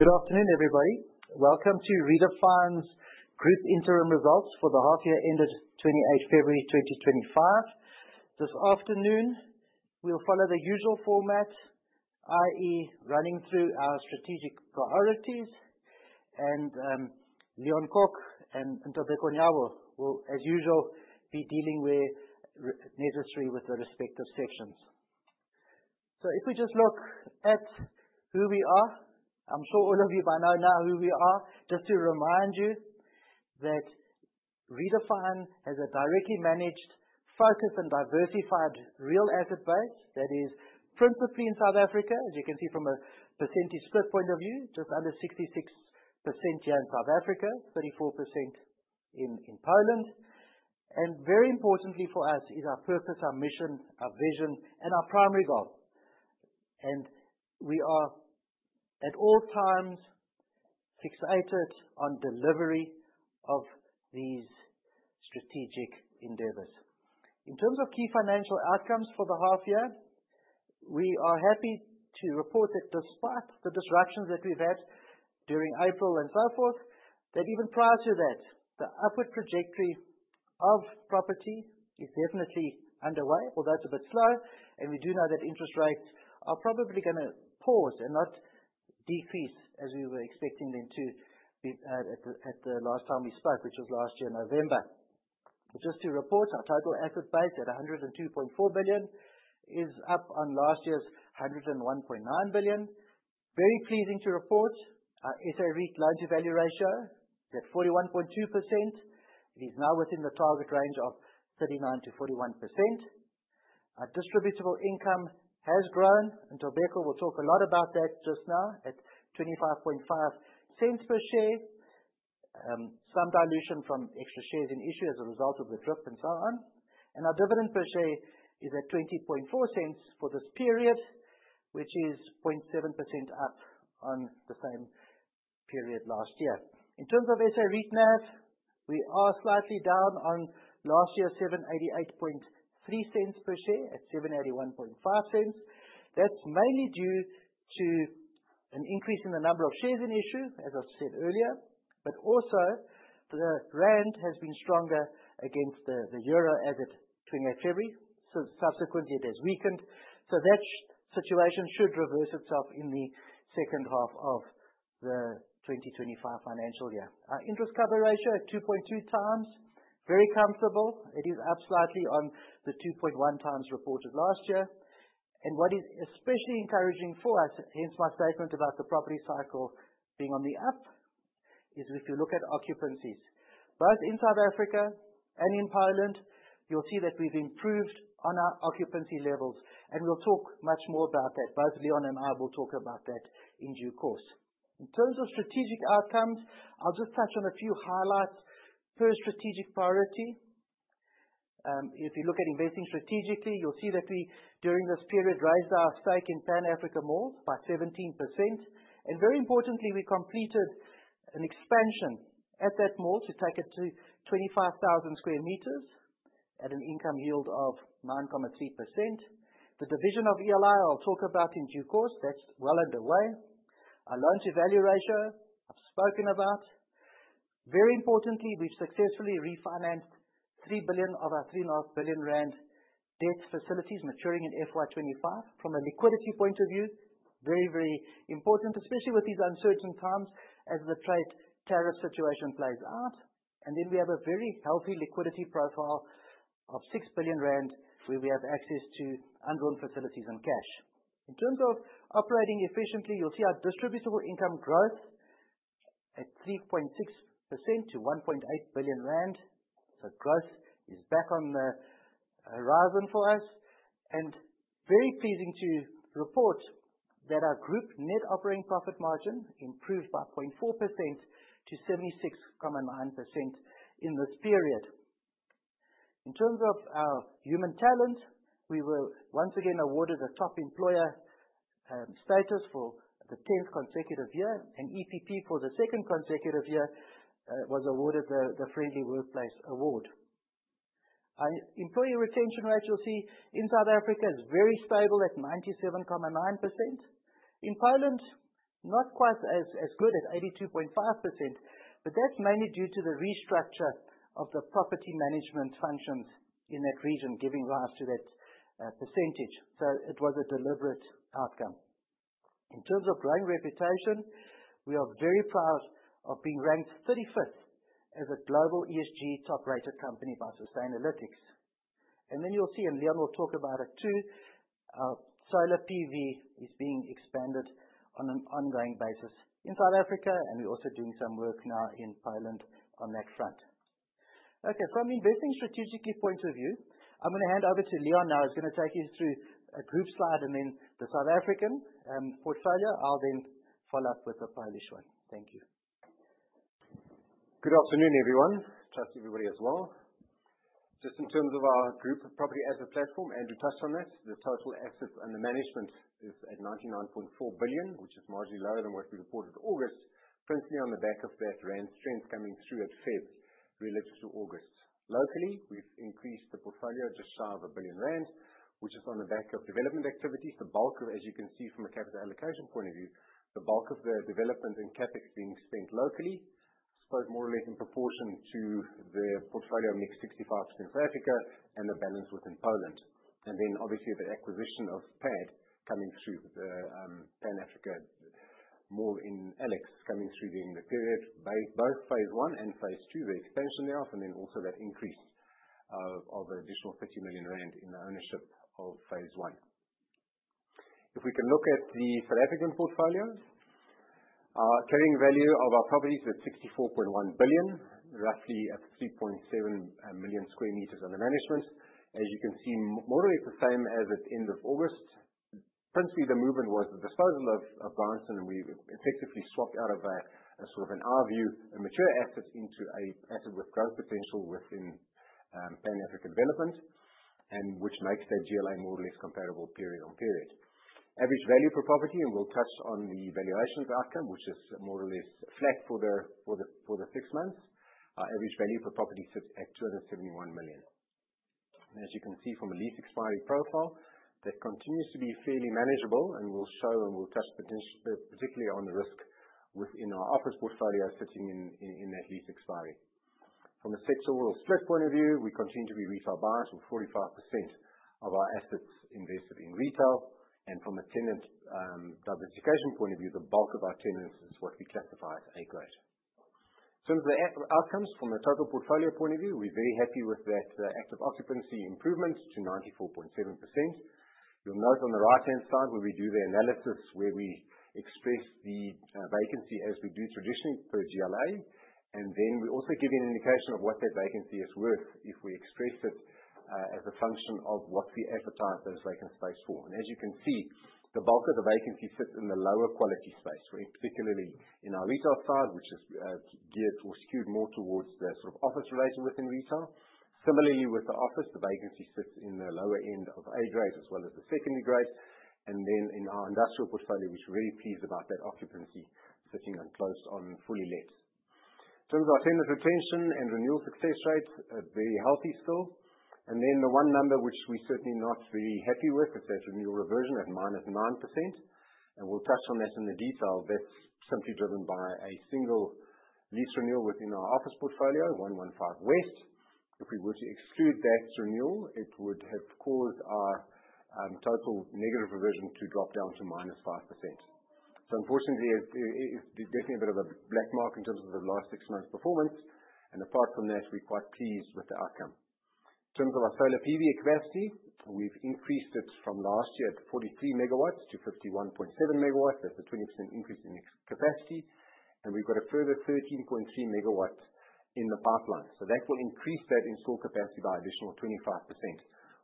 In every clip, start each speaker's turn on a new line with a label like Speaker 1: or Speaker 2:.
Speaker 1: Good afternoon, everybody. Welcome to Redefine Properties' group interim results for the half year ended 28 February 2025. This afternoon, we'll follow the usual format, i.e., running through our strategic priorities and Leon Kok and Ntobeko Nyawo will, as usual, be dealing where necessary with the respective sections. If we just look at who we are, I'm sure all of you by now know who we are. Just to remind you that Redefine Properties has a directly managed, focused and diversified real asset base that is principally in South Africa, as you can see from a percentage split point of view, just under 66% here in South Africa, 34% in Poland. Very importantly for us is our purpose, our mission, our vision and our primary goal. We are, at all times, fixated on delivery of these strategic endeavors. In terms of key financial outcomes for the half year, we are happy to report that despite the disruptions that we've had during April and so forth, that even prior to that, the upward trajectory of property is definitely underway, although it's a bit slow, and we do know that interest rates are probably gonna pause and not decrease as we were expecting them to be at the last time we spoke, which was last year, November. Just to report, our total asset base at 102.4 billion is up on last year's 101.9 billion. Very pleasing to report, our SA REIT LTV at 41.22%. It is now within the target range of 39%-41%. Our distributable income has grown. Ntobeko will talk a lot about that just now at 0.255 per share. Some dilution from extra shares in issue as a result of the DRIP and so on. Our dividend per share is at 0.204 for this period, which is 0.7% up on the same period last year. In terms of SA REIT NAV, we are slightly down on last year, 7.883 per share at 7.815. That's mainly due to an increase in the number of shares in issue, as I've said earlier. But also, the rand has been stronger against the euro as at 28 February. Subsequently, it has weakened. That situation should reverse itself in the second half of the 2025 financial year. Our interest cover ratio at 2.2x, very comfortable. It is up slightly on the 2.1x reported last year. What is especially encouraging for us, hence my statement about the property cycle being on the up, is if you look at occupancies, both in South Africa and in Poland, you'll see that we've improved on our occupancy levels, and we'll talk much more about that. Both Leon and I will talk about that in due course. In terms of strategic outcomes, I'll just touch on a few highlights. First, strategic priority. If you look at investing strategically, you'll see that we, during this period, raised our stake in Pan Africa Mall by 17%. Very importantly, we completed an expansion at that mall to take it to 25,000 sq m at an income yield of 9.3%. The division of ELI, I'll talk about in due course. That's well underway. Our loans evaluation, I've spoken about. Very importantly, we've successfully refinanced 3 billion of our 3.5 billion rand debt facilities maturing in FY 2025. From a liquidity point of view, very, very important, especially with these uncertain times as the trade tariff situation plays out. We have a very healthy liquidity profile of 6 billion rand, where we have access to undrawn facilities and cash. In terms of operating efficiently, you'll see our distributable income growth at 3.6% to 1.8 billion rand. Growth is back on the horizon for us. Very pleasing to report that our group net operating profit margin improved by 0.4% to 76.9% in this period. In terms of our human talent, we were once again awarded Top Employer status for the 10th consecutive year. EPP, for the second consecutive year, was awarded the Friendly Workplace Award. Our employee retention rates, you'll see in South Africa, is very stable at 97.9%. In Poland, not quite as good at 82.5%, but that's mainly due to the restructure of the property management functions in that region, giving rise to that percentage. So it was a deliberate outcome. In terms of growing reputation, we are very proud of being ranked 35th as a global ESG top-rated company by Sustainalytics. Then you'll see, and Leon will talk about it too, our solar PV is being expanded on an ongoing basis in South Africa, and we're also doing some work now in Poland on that front. Okay. From investing strategically point of view, I'm gonna hand over to Leon now. He's gonna take you through a group slide and then the South African portfolio. I'll then follow up with the Polish one. Thank you.
Speaker 2: Good afternoon, everyone. Trust everybody is well. Just in terms of our group of property as a platform, Andrew touched on this. The total assets under management is at 99.4 billion, which is marginally lower than what we reported in August. Primarily on the back of that rand strength coming through at February relative to August. Locally, we've increased the portfolio just shy of 1 billion rand, which is on the back of development activities. The bulk of, as you can see from a capital allocation point of view, the bulk of the development in CapEx being spent locally, spent more or less in proportion to the portfolio mix, 65% South Africa and the balance within Poland. Obviously the acquisition of PAD coming through the Pan Africa Mall in Alex coming through during the period, both Phase One and Phase Two, the expansion thereof, and then also that increase of an additional 30 million rand in the ownership of Phase One. If we can look at the South African portfolio, our carrying value of our properties at 64.1 billion, roughly at 3.7 million sq m under management. As you can see, more or less the same as at end of August. Primarily, the movement was the disposal of Bryanston, and we effectively swapped out of a sort of, in our view, a mature asset into a asset with growth potential within Pan Africa Development, and which makes that GLA more or less comparable period on period. Average value per property, and we'll touch on the valuations outcome, which is more or less flat for the six months. Our average value per property sits at 271 million. As you can see from the lease expiry profile, that continues to be fairly manageable, and we'll show and we'll touch particularly on the risk within our office portfolio sitting in that lease expiry. From a sectoral split point of view, we continue to be retail biased, with 45% of our assets invested in retail. From a tenant diversification point of view, the bulk of our tenants is what we classify as A-grade. The outcomes from a total portfolio point of view, we're very happy with that, active occupancy improvements to 94.7%. You'll note on the right-hand side where we do the analysis, where we express the vacancy as we do traditionally for GLA. We also give you an indication of what that vacancy is worth if we express it as a function of what we advertise those vacant space for. As you can see, the bulk of the vacancy sits in the lower quality space, where particularly in our retail side, which is geared or skewed more towards the sort of office related within retail. Similarly with the office, the vacancy sits in the lower end of A-grade as well as the secondary grade. In our industrial portfolio, we're really pleased about that occupancy sitting on close on fully let. In terms of our tenant retention and renewal success rates, very healthy still. Then the one number which we're certainly not very happy with is that renewal reversion at -9%, and we'll touch on this in the detail. That's simply driven by a single lease renewal within our office portfolio, 115 West. If we were to exclude that renewal, it would have caused our total negative reversion to drop down to -5%. Unfortunately, it's definitely a bit of a black mark in terms of the last six months' performance. Apart from that, we're quite pleased with the outcome. In terms of our solar PV capacity, we've increased it from last year at 43 MW to 51.7 MW. That's a 20% increase in capacity. We've got a further 13.3 MW in the pipeline. That will increase that installed capacity by additional 25%,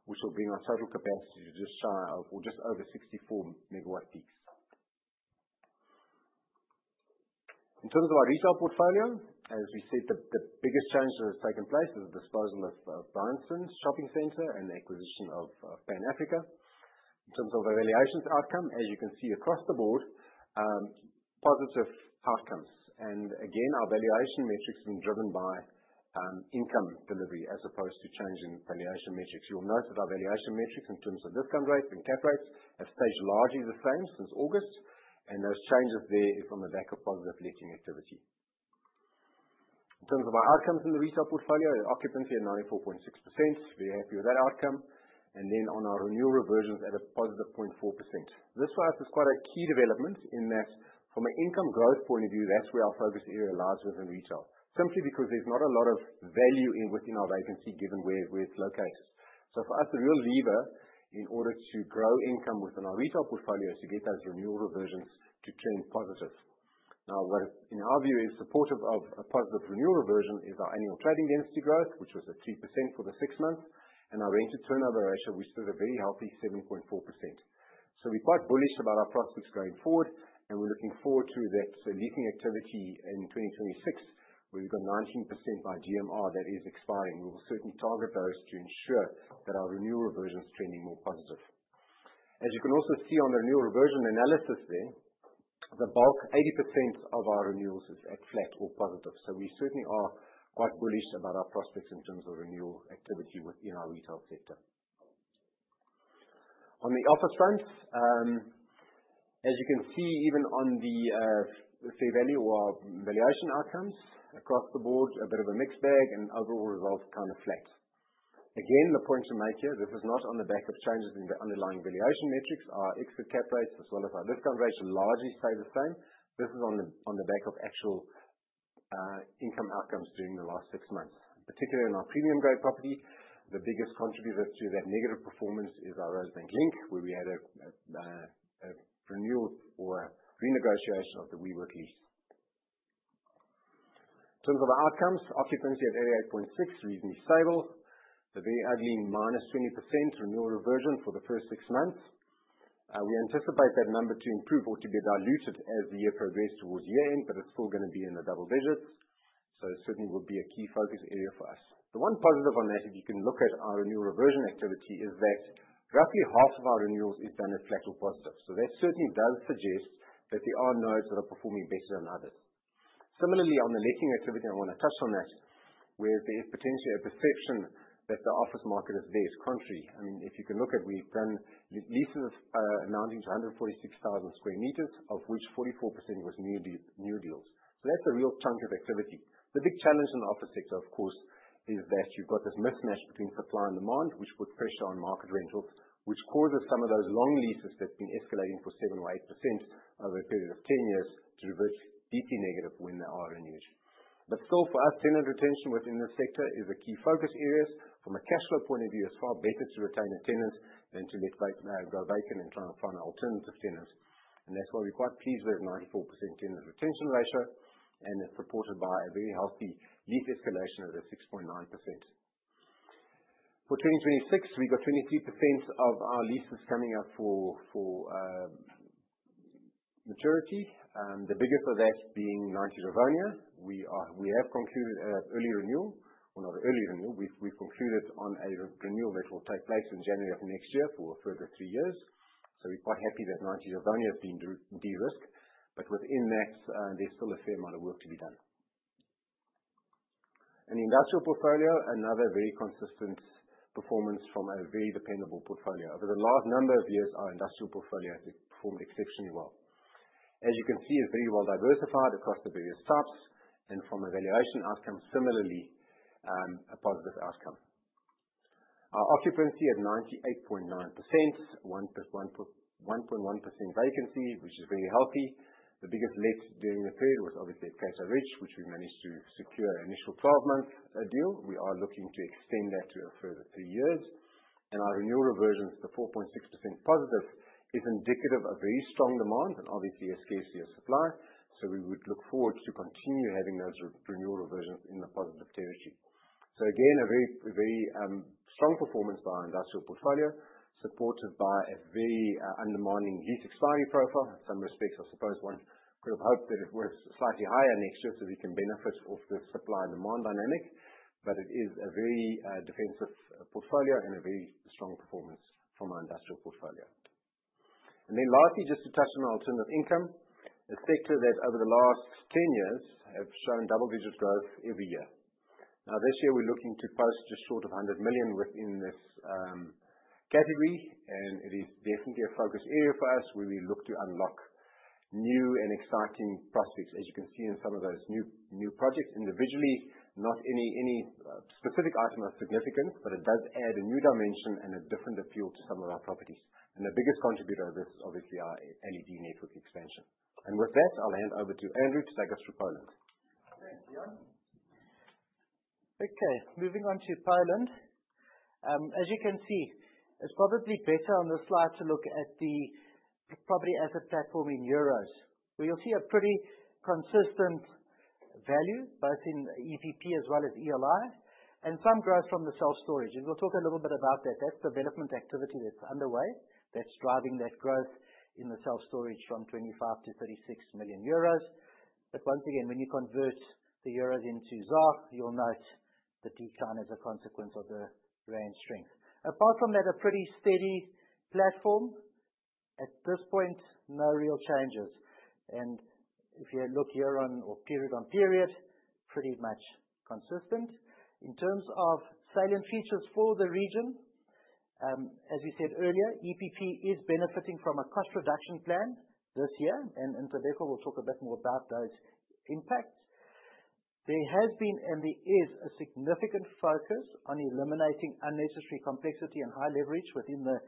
Speaker 2: which will bring our total capacity to just shy of or just over 64 MWp. In terms of our retail portfolio, as we said, the biggest change that has taken place is the disposal of Bryanston's shopping center and the acquisition of Pan Africa. In terms of our valuations outcome, as you can see across the board, positive outcomes. Again, our valuation metrics being driven by income delivery as opposed to change in valuation metrics. You'll note that our valuation metrics in terms of discount rates and cap rates have stayed largely the same since August. Those changes there are on the back of positive leasing activity. In terms of our outcomes in the retail portfolio, our occupancy at 94.6%, very happy with that outcome. On our renewal reversions at a positive 0.4%. This for us is quite a key development, in that from an income growth point of view, that's where our focus area lies within retail. Simply because there's not a lot of value within our vacancy given where it's located. For us, the real lever, in order to grow income within our retail portfolio, is to get those renewal reversions to turn positive. Now, what in our view is supportive of a positive renewal reversion is our annual trading density growth, which was at 3% for the six months. Our rented turnover ratio, we stood at a very healthy 7.4%. We're quite bullish about our prospects going forward, and we're looking forward to that. Leasing activity in 2026, where we've got 19% by GMR that is expiring. We will certainly target those to ensure that our renewal reversion is trending more positive. As you can also see on the renewal reversion analysis there, the bulk, 80% of our renewals is at flat or positive. We certainly are quite bullish about our prospects in terms of renewal activity within our retail sector. On the office front, as you can see, even on the fair value or valuation outcomes, across the board, a bit of a mixed bag and overall results kind of flat. Again, the point to make here, this is not on the back of changes in the underlying valuation metrics. Our exit cap rates as well as our discount rates largely stay the same. This is on the back of actual income outcomes during the last six months. Particularly in our premium grade property, the biggest contributor to that negative performance is our Rosebank Link, where we had a renewal or renegotiation of the WeWork lease. In terms of outcomes, occupancy at 88.6%, reasonably stable, the very ugly -20% renewal reversion for the first six months. We anticipate that number to improve or to be diluted as the year progress towards year-end, but it's still gonna be in the double digits. It certainly will be a key focus area for us. The one positive on that, if you can look at our renewal reversion activity, is that roughly half of our renewals is done at flat or positive. That certainly does suggest that there are nodes that are performing better than others. Similarly, on the letting activity, I wanna touch on that, where there is potentially a perception that the office market is this country. I mean, if you can look at, we've done leases amounting to 146,000 sq m, of which 44% was new deals. So that's a real chunk of activity. The big challenge in the office sector, of course, is that you've got this mismatch between supply and demand, which puts pressure on market rentals, which causes some of those long leases that's been escalating for 7% or 8% over a period of 10 years to revert deeply negative when there are renewals. But still, for us, tenant retention within this sector is a key focus areas. From a cash flow point of view, it's far better to retain a tenant than to go vacant and try and find alternative tenants. That's why we're quite pleased with 94% tenant retention ratio, and it's supported by a very healthy lease escalation of 6.9%. For 2026, we've got 23% of our leases coming up for maturity, the biggest of that being 90 Rivonia. We have concluded an early renewal. Well, not early renewal. We've concluded on a renewal that will take place in January of next year for a further three years. We're quite happy that 90 Rivonia has been derisked. Within that, there's still a fair amount of work to be done. In the industrial portfolio, another very consistent performance from a very dependable portfolio. Over the last number of years, our industrial portfolio has performed exceptionally well. As you can see, it's very well diversified across the various subs, and from a valuation outcome, similarly, a positive outcome. Our occupancy at 98.9%, 1.1% vacancy, which is very healthy. The biggest let during the period was obviously at Cato Ridge, which we managed to secure initial 12-month deal. We are looking to extend that to a further three years. Our renewal reversions to 4.6% positive is indicative of very strong demand and obviously a scarcity of supply. We would look forward to continue having those renewal reversions in the positive territory. Again, a very strong performance by our industrial portfolio, supported by a very undemanding lease expiry profile. In some respects, I suppose one could have hoped that it was slightly higher next year so we can benefit off the supply and demand dynamic. But it is a very defensive portfolio and a very strong performance from our industrial portfolio. Then lastly, just to touch on our alternative income, a sector that over the last 10 years have shown double-digit growth every year. Now, this year, we're looking to post just short of 100 million within this category, and it is definitely a focus area for us, where we look to unlock new and exciting prospects. As you can see in some of those new projects, individually, not any specific item of significance, but it does add a new dimension and a different appeal to some of our properties. The biggest contributor of this is obviously our LED network expansion. With that, I'll hand over to Andrew to take us through Poland.
Speaker 1: Thanks, Leon. Okay, moving on to Poland. As you can see, it's probably better on this slide to look at the property asset platform in euros, where you'll see a pretty consistent value, both in EPP as well as ELI, and some growth from the self-storage. We'll talk a little bit about that. That's development activity that's underway, that's driving that growth in the self-storage from 25 million to 36 million euros. Once again, when you convert the euros into ZAR, you'll note the decline as a consequence of the rand strength. Apart from that, a pretty steady platform. At this point, no real changes. If you look year-on-year or period-on-period, pretty much consistent. In terms of salient features for the region, as we said earlier, EPP is benefiting from a cost reduction plan this year. We'll talk a bit more about those impacts. There has been and there is a significant focus on eliminating unnecessary complexity and high leverage within the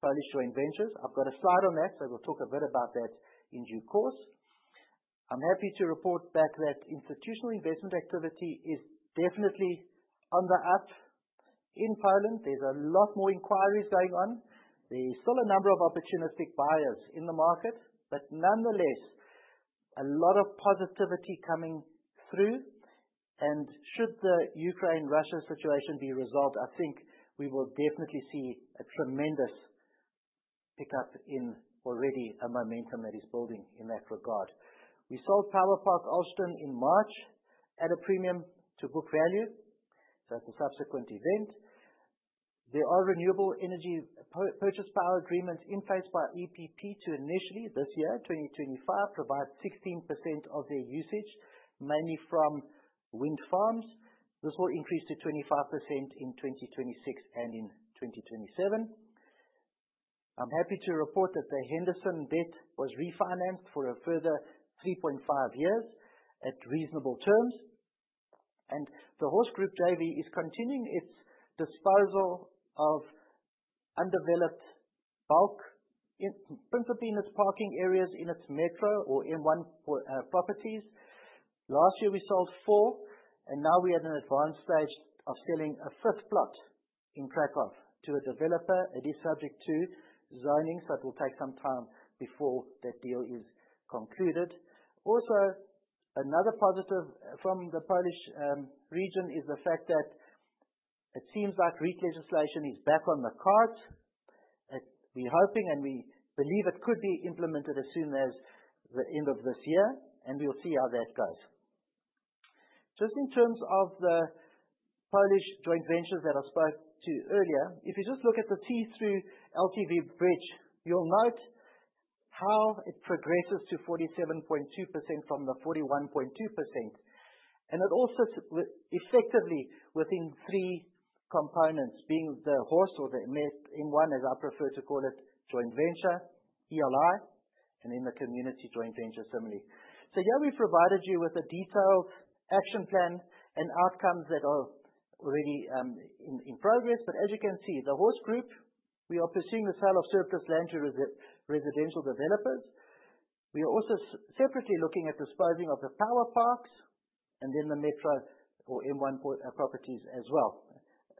Speaker 1: Polish joint ventures. I've got a slide on that, so we'll talk a bit about that in due course. I'm happy to report back that institutional investment activity is definitely on the up in Poland. There's a lot more inquiries going on. There's still a number of opportunistic buyers in the market. Nonetheless, a lot of positivity coming through. Should the Ukraine, Russia situation be resolved, I think we will definitely see a tremendous pickup in already a momentum that is building in that regard. We sold Power Park Olsztyn in March at a premium to book value. That's a subsequent event. There are renewable energy purchase power agreements in place by EPP to initially, this year, 2025, provide 16% of their usage, mainly from wind farms. This will increase to 25% in 2026 and in 2027. I'm happy to report that the Henderson Park debt was refinanced for a further 3.5 years at reasonable terms. The Horse Group JV is continuing its disposal of undeveloped bulk in, principally in its parking areas, in its Metro or M1 properties. Last year, we sold four, and now we are at an advanced stage of selling a fifth plot in Kraków to a developer. It is subject to zonings, so it will take some time before that deal is concluded. Also, another positive from the Polish region is the fact that it seems like REIT legislation is back on the cards. We're hoping and we believe it could be implemented as soon as the end of this year, and we'll see how that goes. Just in terms of the Polish joint ventures that I spoke to earlier, if you just look at the see-through LTV bridge, you'll note how it progresses to 47.2% from the 41.2%. It also effectively within three components, being the Horse Group or the M1, as I prefer to call it, joint venture, ELI, and then the Community Properties JV. Here we've provided you with a detailed action plan and outcomes that are already in progress. As you can see, the Horse Group, we are pursuing the sale of surplus land to residential developers. We are also separately looking at disposing of the Power Parks and then the Metro or M1 properties as well.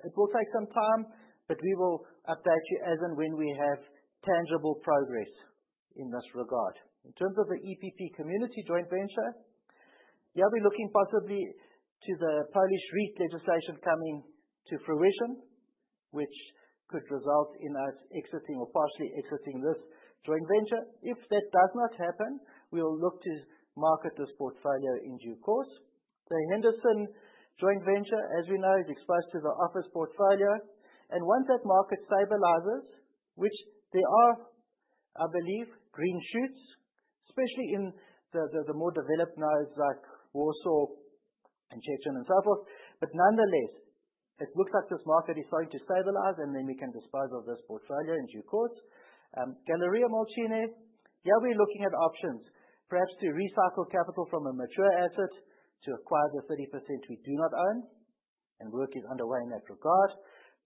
Speaker 1: It will take some time, but we will update you as and when we have tangible progress in this regard. In terms of the EPP Community joint venture, here we're looking possibly to the Polish REIT legislation coming to fruition, which could result in us exiting or partially exiting this joint venture. If that does not happen, we will look to market this portfolio in due course. The Henderson Park joint venture, as we know, exposes to the office portfolio. Once that market stabilizes, which there are, I believe, green shoots, especially in the more developed nodes like Warsaw and Szczecin and so forth. But nonetheless, it looks like this market is starting to stabilize, and then we can dispose of this portfolio in due course. Galeria Młociny, here we're looking at options perhaps to recycle capital from a mature asset to acquire the 30% we do not own, and work is underway in that regard.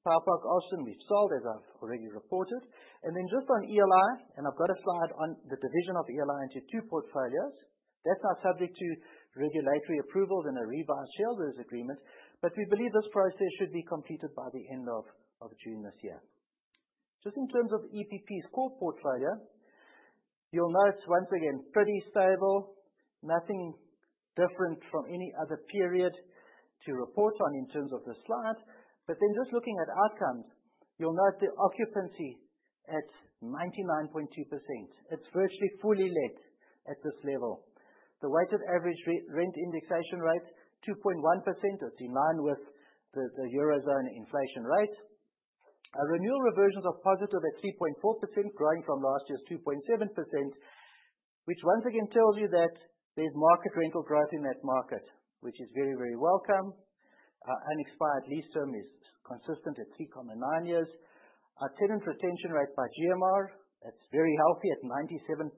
Speaker 1: Power Park Olsztyn, we've sold, as I've already reported. Then just on ELI, I've got a slide on the division of ELI into two portfolios. That's now subject to regulatory approvals and a revised shareholders agreement. We believe this process should be completed by the end of June this year. Just in terms of EPP's core portfolio, you'll note once again, pretty stable. Nothing different from any other period to report on in terms of the slide. Then just looking at outcomes, you'll note the occupancy at 99.2%. It's virtually fully let at this level. The weighted average re-rent indexation rate, 2.1%. It's in line with the Eurozone inflation rate. Our renewal reversions are positive at 3.4%, growing from last year's 2.7%, which once again tells you that there's market rental growth in that market, which is very, very welcome. Our unexpired lease term is consistent at 3.9 years. Our tenant retention rate by GMR, that's very healthy at 97.6%.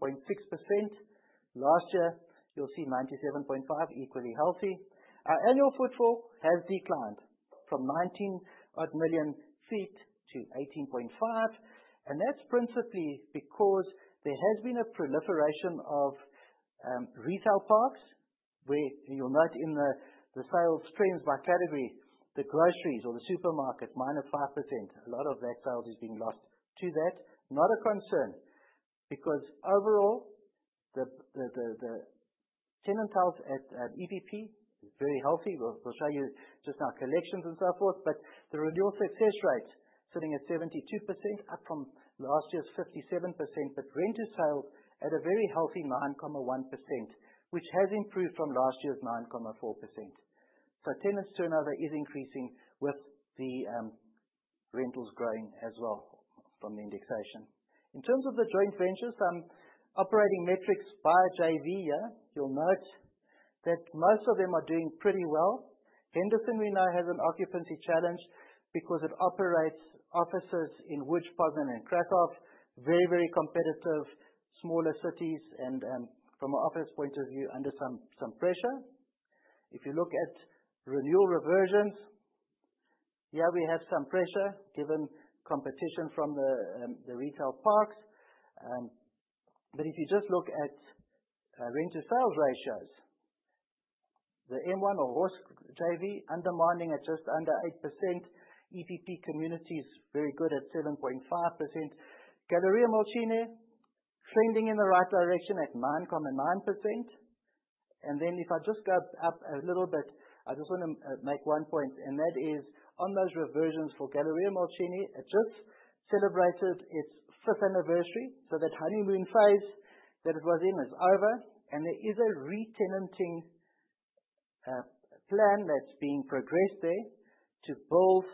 Speaker 1: Last year, you'll see 97.5%, equally healthy. Our annual footfall has declined from 19-odd million to 18.5 million, and that's principally because there has been a proliferation of retail parks where you'll note in the sales trends by category, the groceries or the supermarket, -5%. A lot of that sales is being lost to that. Not a concern because overall the tenant health at EPP is very healthy. We'll show you just our collections and so forth. The renewal success rate sitting at 72%, up from last year's 57%. Rent to sale at a very healthy 9.1%, which has improved from last year's 9.4%. Tenants turnover is increasing with the rentals growing as well from the indexation. In terms of the joint ventures, operating metrics by JV here, you'll note that most of them are doing pretty well. Henderson, we know, has an occupancy challenge because it operates offices in which Poznań and Kraków, very competitive smaller cities, and from an office point of view, under some pressure. If you look at renewal reversions, here we have some pressure given competition from the retail parks. If you just look at rent-to-sales ratios, the M1 or Horse JV is underpinning at just under 8%. EPP Community is very good at 7.5%. Galeria Młociny is trending in the right direction at 9.9%. If I just go up a little bit, I just wanna make one point, and that is on those reversions for Galeria Młociny, it just celebrated its fifth anniversary, so that honeymoon phase that it was in is over. There is a re-tenanting plan that's being progressed there to build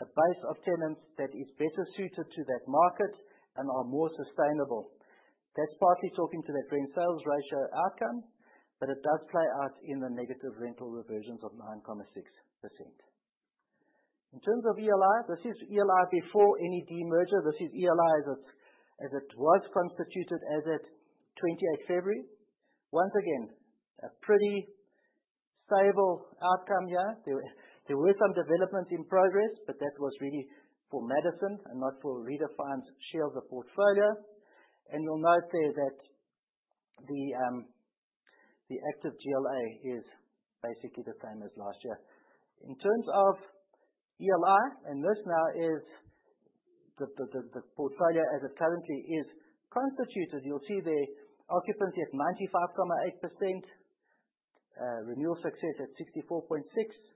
Speaker 1: a base of tenants that is better suited to that market and are more sustainable. That's partly talking to that rent sales ratio outcome, but it does play out in the negative rental reversions of 9.6%. In terms of ELI, this is ELI before any demerger. This is ELI as it was constituted as at 28 February. Once again, a pretty stable outcome here. There were some developments in progress, but that was really for Madison and not for Redefine's share of the portfolio. You'll note there that the active GLA is basically the same as last year. In terms of ELI, and this now is the portfolio as it currently is constituted, you'll see the occupancy at 95.8%. Renewal success at 64.6%.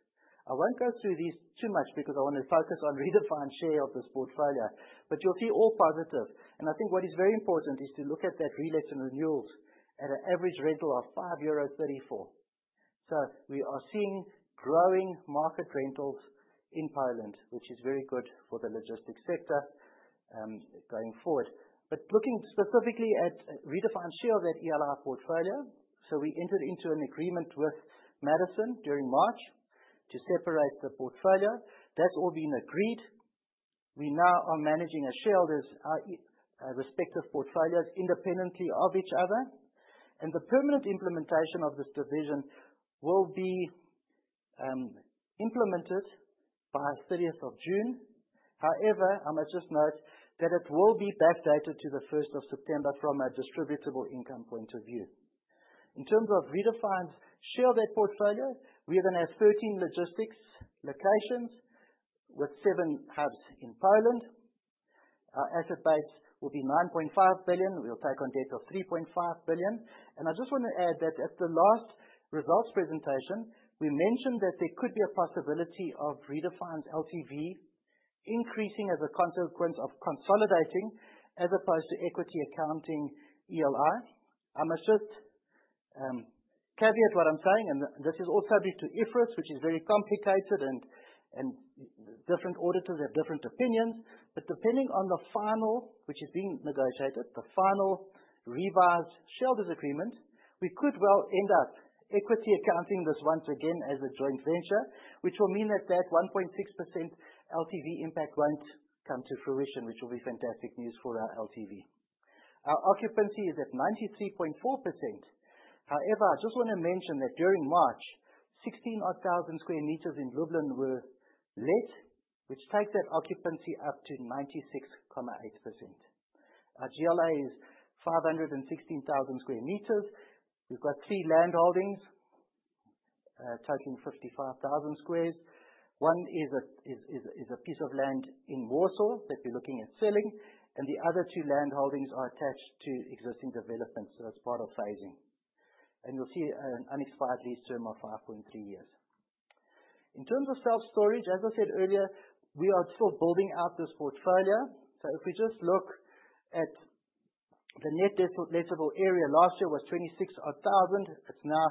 Speaker 1: I won't go through these too much because I wanna focus on Redefine's share of this portfolio. You'll see all positive. I think what is very important is to look at that relets and renewals at an average rental of 5.34 euro. We are seeing growing market rentals in Poland, which is very good for the logistics sector going forward. Looking specifically at Redefine Properties' share of that ELI portfolio, we entered into an agreement with Madison International Realty during March to separate the portfolio. That's all been agreed. We now are managing our shareholders' respective portfolios independently of each other. The permanent implementation of this division will be implemented by 30th June. However, I must just note that it will be backdated to the 1st September from a distributable income point of view. In terms of Redefine Properties' share of that portfolio, we are gonna have 13 logistics locations, with seven hubs in Poland. Our asset base will be 9.5 billion. We'll take on debt of 3.5 billion. I just wanna add that at the last results presentation, we mentioned that there could be a possibility of Redefine's LTV increasing as a consequence of consolidating, as opposed to equity accounting ELI. I must just caveat what I'm saying, and this is all subject to IFRS, which is very complicated and different auditors have different opinions. Depending on the final revised shareholders' agreement, which is being negotiated, we could well end up equity accounting this once again as a joint venture. Which will mean that 1.6% LTV impact won't come to fruition, which will be fantastic news for our LTV. Our occupancy is at 93.4%. However, I just wanna mention that during March, 16,000 sq m in Lublin were let, which takes that occupancy up to 96.8%. Our GLA is 516,000 sq m. We've got three land holdings totaling 55,000 sq m. One is a piece of land in Warsaw that we're looking at selling, and the other two land holdings are attached to existing developments as part of phasing. You'll see an unexpired lease term of 5.3 years. In terms of self-storage, as I said earlier, we are still building out this portfolio. If we just look at the net lettable area last year was 26,000 sq m. It's now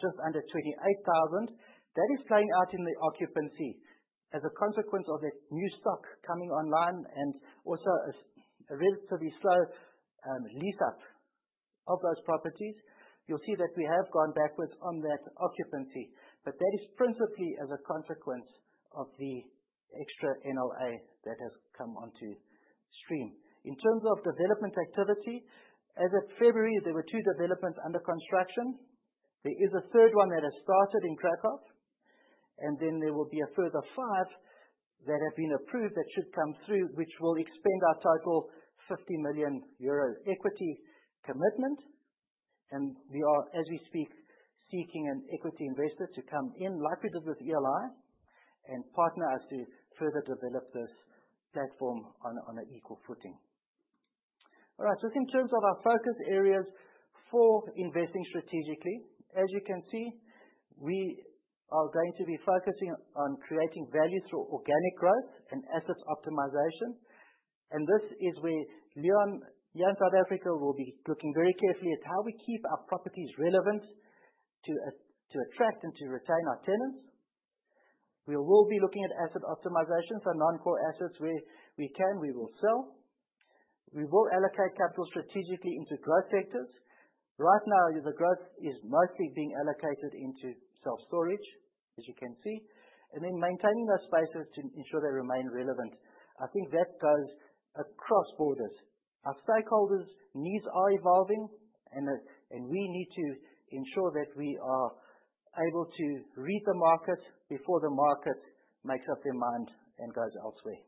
Speaker 1: just under 28,000 sq m. That is playing out in the occupancy as a consequence of that new stock coming online and also a relatively slow lease up of those properties. You'll see that we have gone backwards on that occupancy, but that is principally as a consequence of the extra NLA that has come onto stream. In terms of development activity, as of February, there were two developments under construction. There is a third one that has started in Kraków, and then there will be a further five that have been approved that should come through, which will expand our total 50 million euros equity commitment. We are, as we speak, seeking an equity investor to come in, likely it is ELI, and partner us to further develop this platform on an equal footing. All right, just in terms of our focus areas for investing strategically. As you can see, we are going to be focusing on creating value through organic growth and asset optimization. This is where Leon Kok, [inaudible] will be looking very carefully at how we keep our properties relevant to attract and to retain our tenants. We will be looking at asset optimization, so non-core assets where we can, we will sell. We will allocate capital strategically into growth sectors. Right now, the growth is mostly being allocated into self-storage, as you can see. Maintaining those spaces to ensure they remain relevant. I think that goes across borders. Our stakeholders' needs are evolving and we need to ensure that we are able to read the market before the market makes up their mind and goes elsewhere.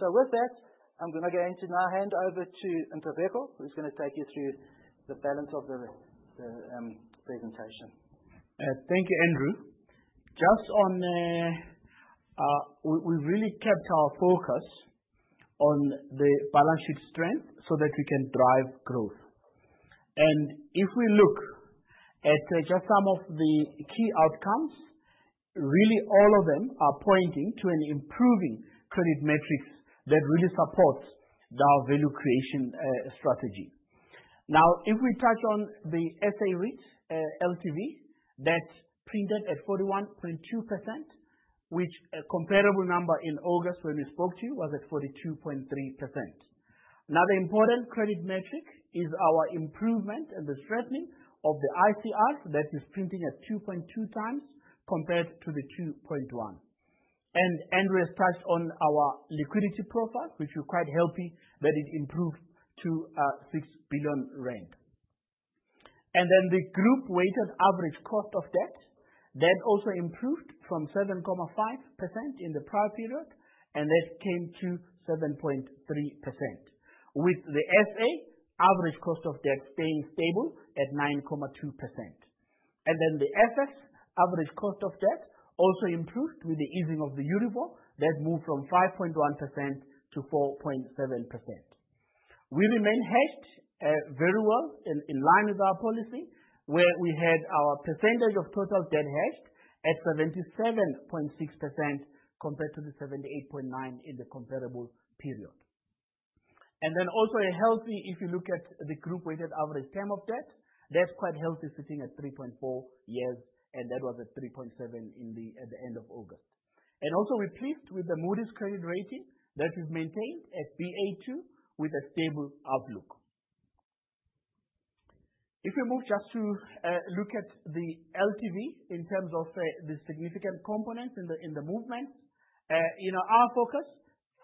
Speaker 1: With that, I'm gonna go and to now hand over to Ntobeko, who's gonna take you through the balance of the presentation.
Speaker 3: Thank you, Andrew. Just on, we really kept our focus on the balance sheet strength so that we can drive growth. If we look at just some of the key outcomes, really all of them are pointing to an improving credit metrics that really supports our value creation, strategy. Now, if we touch on the SA REIT LTV, that's printed at 41.2%, which, a comparable number in August when we spoke to you, was at 42.3%. Another important credit metric is our improvement and the strengthening of the ICR. That is printing at 2.2x compared to the 2.1. Andrew has touched on our liquidity profile, which we're quite happy that it improved to 6 billion rand. The group weighted average cost of debt, that also improved from 7.5% in the prior period, and that came to 7.3%, with the SA average cost of debt staying stable at 9.2%. The assets average cost of debt also improved with the easing of the Euribor, that moved from 5.1% to 4.7%. We remain hedged very well in line with our policy, where we had our percentage of total debt hedged at 77.6% compared to the 78.9% in the comparable period. A healthy group weighted average term of debt, if you look at it, that's quite healthy, sitting at 3.4 years, and that was at 3.7 at the end of August. We're pleased with the Moody's credit rating that is maintained at Ba2 with a stable outlook. If we move just to look at the LTV in terms of the significant components in the movement. You know, our focus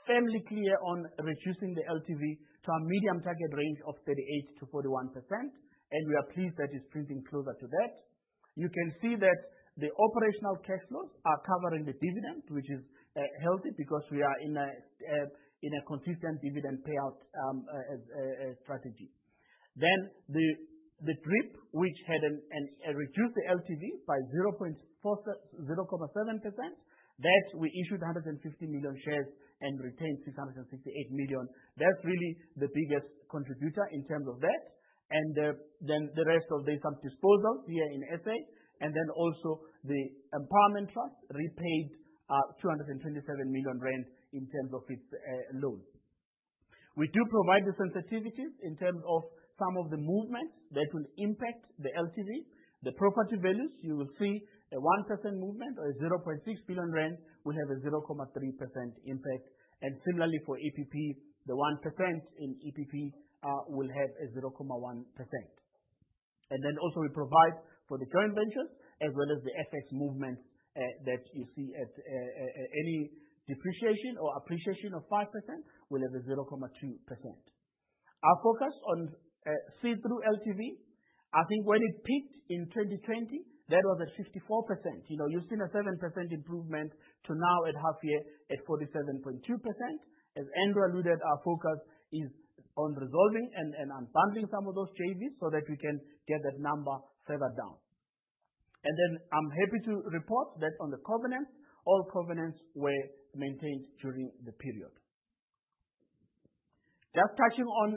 Speaker 3: firmly clear on reducing the LTV to our medium target range of 38%-41%, and we are pleased that it's trending closer to that. You can see that the operational cash flows are covering the dividend, which is healthy because we are in a consistent dividend payout strategy. The DRIP reduced the LTV by 0.7%. That we issued 150 million shares and retained 668 million. That's really the biggest contributor in terms of that. The rest of the some disposals here in SA, and then also the empowerment trust repaid 227 million rand in terms of its loan. We do provide the sensitivities in terms of some of the movements that will impact the LTV. The property values, you will see a 1% movement or 0.6 billion rand will have a 0.3% impact. Similarly for EPP, the 1% in EPP will have a 0.1%. We provide for the joint ventures as well as the FX movement that you see at any depreciation or appreciation of 5% will have a 0.2%. Our focus on see-through LTV, I think when it peaked in 2020, that was at 54%. You know, you've seen a 7% improvement to now at half year at 47.2%. As Andrew alluded, our focus is on resolving and unbundling some of those JVs so that we can get that number further down. Then I'm happy to report that on the covenants, all covenants were maintained during the period. Just touching on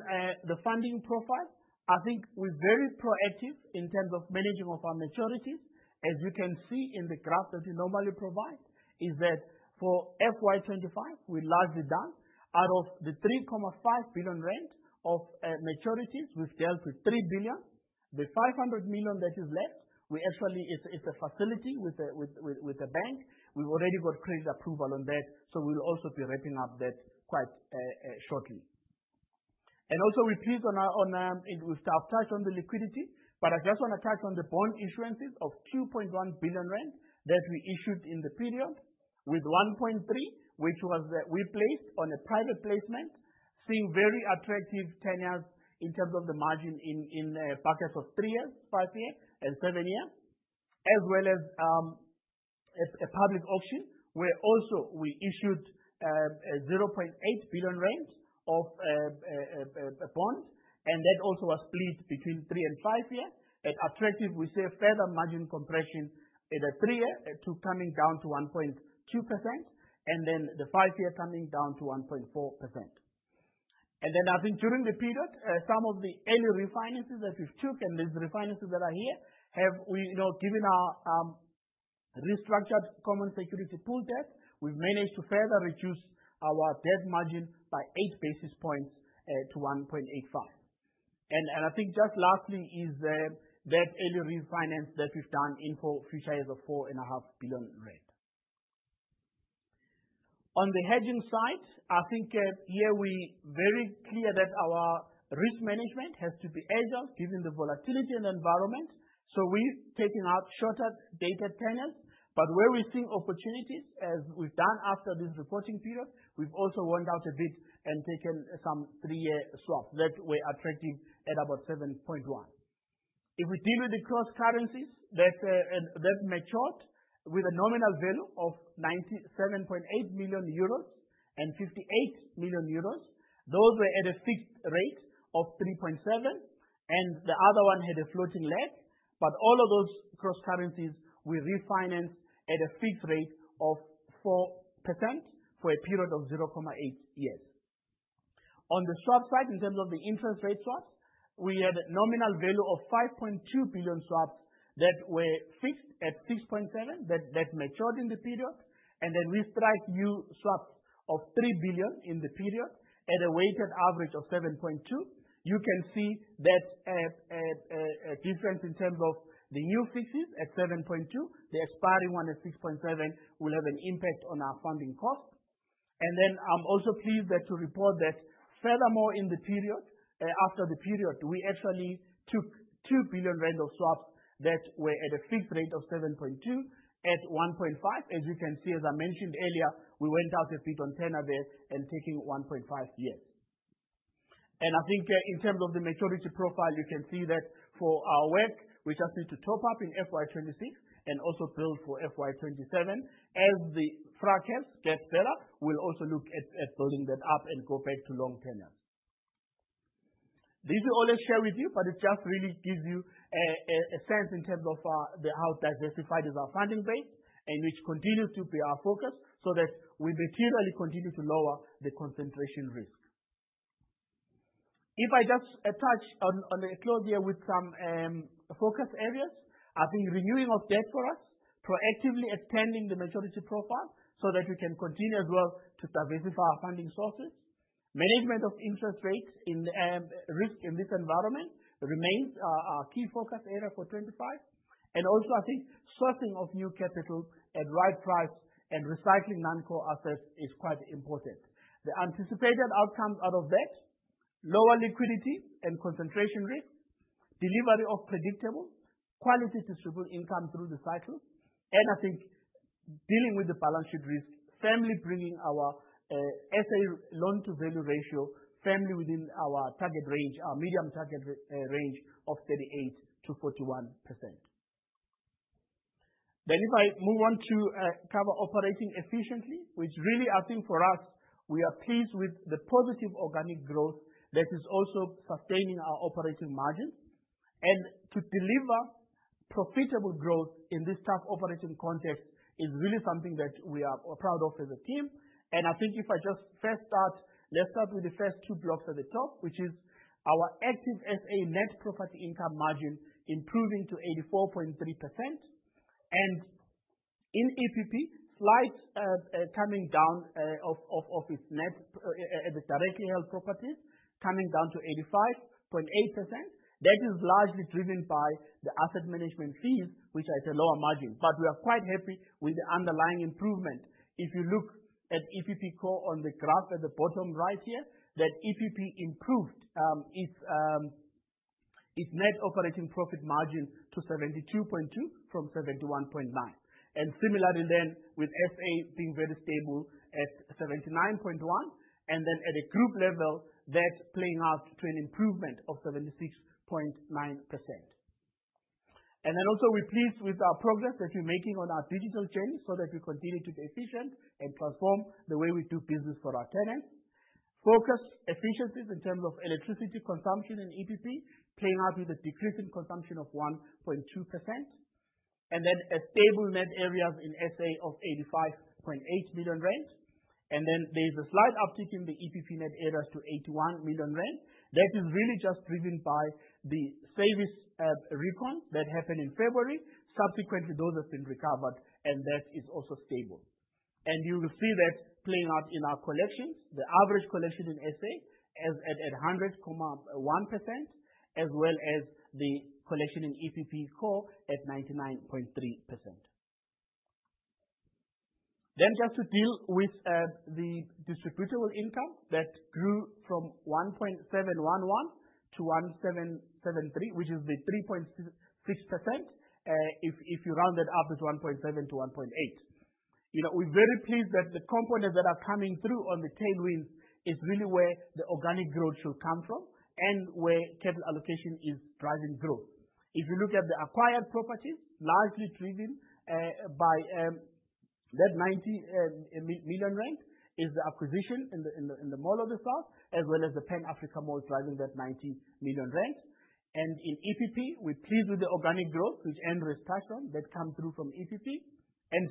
Speaker 3: the funding profile. I think we're very proactive in terms of managing our maturities. As you can see in the graph that we normally provide, for FY 2025, we're largely done. Out of the 3.5 billion of maturities, we've dealt with 3 billion. The 500 million that is left, we actually, it's a facility with a bank. We've already got credit approval on that, so we'll also be wrapping up that quite shortly. I just wanna touch on the bond issuances of 2.1 billion rand that we issued in the period, with 1.3 billion, which we placed on a private placement, securing very attractive tenors in terms of the margin in buckets of three-year, five-year and seven-year. As well as a public auction, where we also issued 0.8 billion rand of a bond, and that also was split between three- and five-year. At attractive, we see a further margin compression at a three-year to coming down to 1.2%, and then the five-year coming down to 1.4%. I think during the period, some of the early refinances that we've took, and these refinances that are here, you know, given our restructured common security pool debt, we've managed to further reduce our debt margin by 8 basis points to 1.85. I think just lastly is that early refinance that we've done in for Pivotal of 4.5 billion. On the hedging side, I think, here we're very clear that our risk management has to be agile given the volatile environment. We've taken out shorter dated tenures, but where we're seeing opportunities, as we've done after this reporting period, we've also went out a bit and taken some three-year swaps that were attractive at about 7.1. If we deal with the cross currencies that that's matured with a nominal value of 97.8 million euros and 58 million euros, those were at a fixed rate of 3.7, and the other one had a floating leg. All of those cross currencies we refinance at a fixed rate of 4% for a period of 0.8 years. On the swap side, in terms of the interest rate swaps, we had a nominal value of 5.2 billion swaps that were fixed at 6.7% that matured in the period, and then we strike new swaps of 3 billion in the period at a weighted average of 7.2%. You can see that a difference in terms of the new fixes at 7.2%, the expiring one at 6.7% will have an impact on our funding cost. I'm also pleased to report that furthermore, after the period, we actually took 2 billion rand of swaps that were at a fixed rate of 7.2% at 1.5. As you can see, as I mentioned earlier, we went out a bit on tenor there and taking 1.5 years. I think in terms of the maturity profile, you can see that for our work, we just need to top up in FY 2026 and also build for FY 2027. As the FX rates get better, we'll also look at building that up and go back to long tenure. This we always share with you, but it just really gives you a sense in terms of how diversified our funding base is and which continues to be our focus so that we materially continue to lower the concentration risk. If I just touch on in closing here with some focus areas, I think renewing of debt for us, proactively extending the maturity profile so that we can continue as well to diversify our funding sources. Management of interest rate risk in this environment remains our key focus area for FY 2025. I think sourcing of new capital at the right price and recycling non-core assets is quite important. The anticipated outcomes out of that, lower liquidity and concentration risk, delivery of predictable, quality distributable income through the cycle, and I think dealing with the balance sheet risk firmly bringing our SA loan-to-value ratio firmly within our target range, our medium target range of 38%-41%. If I move on to cover operating efficiently, which really I think for us, we are pleased with the positive organic growth that is also sustaining our operating margin. To deliver profitable growth in this tough operating context is really something that we are proud of as a team. I think if I just first start, let's start with the first two blocks at the top, which is our Active SA net property income margin improving to 84.3%. In EPP, slight coming down of its net the directly held properties, coming down to 85.8%. That is largely driven by the asset management fees, which are at a lower margin. We are quite happy with the underlying improvement. If you look at EPP core on the graph at the bottom right here, that EPP improved its its net operating profit margin to 72.2 from 71.9. Similarly then, with SA being very stable at 79.1, and then at a group level, that's playing out to an improvement of 76.9%. We're pleased with our progress that we're making on our digital journey, so that we continue to be efficient and transform the way we do business for our tenants. Focused efficiencies in terms of electricity consumption in EPP, playing out with a decrease in consumption of 1.2%. A stable net areas in SA of 85.8 million. There's a slight uptick in the EPP net areas to 81 million rand. That is really just driven by the service recon that happened in February. Subsequently, those have been recovered and that is also stable. You will see that playing out in our collections. The average collection in SA is at 100.1%, as well as the collection in EPP core at 99.3%. Just to deal with the distributable income that grew from 1.711 to 1.773, which is the 3.6%, if you round it up, it's 1.7-1.8. You know, we're very pleased that the components that are coming through on the tailwinds is really where the organic growth should come from and where capital allocation is driving growth. If you look at the acquired properties, largely driven by that 90 million rand, the acquisition in the Mall of the South, as well as the Pan Africa Mall driving that 90 million rand. In EPP, we're pleased with the organic growth, which is the contribution that comes through from EPP.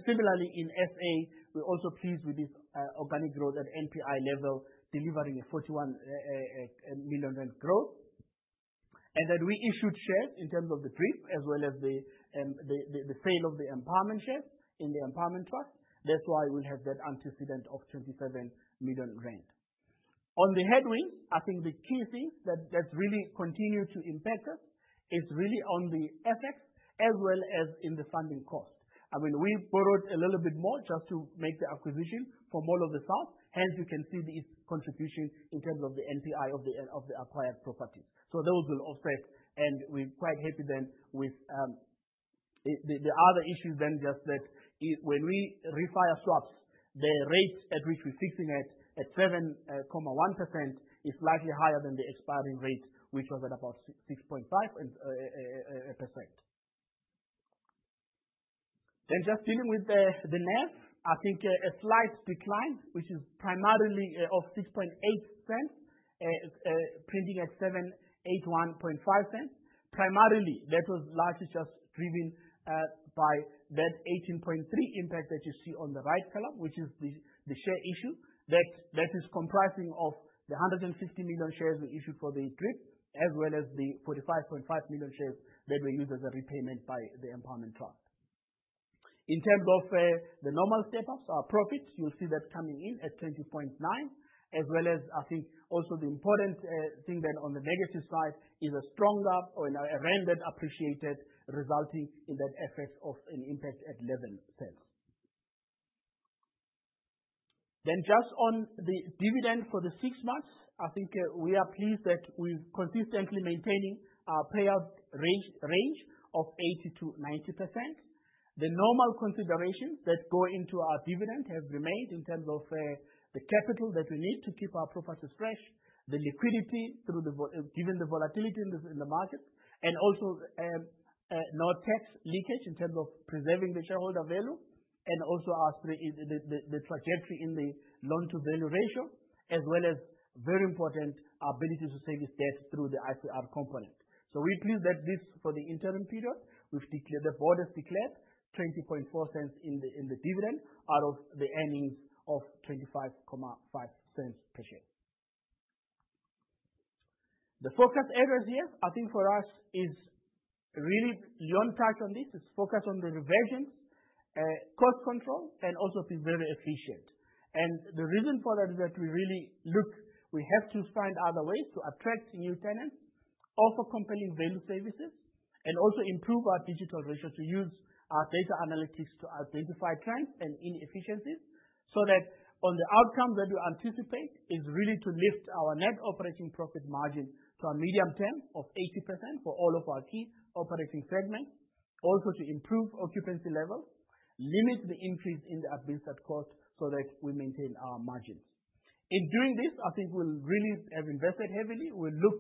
Speaker 3: Similarly in SA, we're also pleased with this organic growth at NPI level, delivering a 41 million rand growth. Then we issued shares in terms of the DRIP as well as the sale of the empowerment shares in the empowerment trust. That's why we'll have that headwind of 27 million rand. On the headwind, I think the key thing that really continues to impact us is really on the FX as well as in the funding cost. I mean, we've borrowed a little bit more just to make the acquisition from Mall of the South. Hence, you can see the contribution in terms of the NPI of the acquired properties. Those will offset, and we're quite happy then with. Other issue just that when we re-fix swaps, the rate at which we're fixing it at 7.1% is slightly higher than the expiring rate, which was at about 6.5%. Just dealing with the NAV. I think a slight decline, which is primarily of 0.068, printing at 7.815. Primarily, that was largely just driven by that 0.183 impact that you see on the right column, which is the share issue. That is comprising of the 160 million shares we issued for the trip, as well as the 45.5 million shares that we used as a repayment by the empowerment trust. In terms of the normal step ups, our profits, you'll see that coming in at 0.209, as well as I think also the important thing then on the legacy side is a stronger rand that appreciated resulting in that effect of an impact at 0.11. Just on the dividend for the six months, I think, we are pleased that we've consistently maintaining our payout range of 80%-90%. The normal considerations that go into our dividend have remained in terms of the capital that we need to keep our properties fresh, the liquidity, given the volatility in the market, and also no tax leakage in terms of preserving the shareholder value, and also the trajectory in the loan to value ratio, as well as, very important, our ability to service debt through the ICR component. We're pleased at this for the interim period. The board has declared 0.204 in the dividend out of the earnings of 0.255 per share. The focus areas here, I think for us, is really Leon touched on this, is focus on the reversions, cost control, and also be very efficient. The reason for that is that we really look, we have to find other ways to attract new tenants, offer compelling value services, and also improve our digital ratio to use our data analytics to identify trends and inefficiencies. That on the outcome that we anticipate is really to lift our net operating profit margin to a medium term of 80% for all of our key operating segments. Also, to improve occupancy levels, limit the increase in the admin cost so that we maintain our margins. In doing this, I think we'll really have invested heavily. We'll look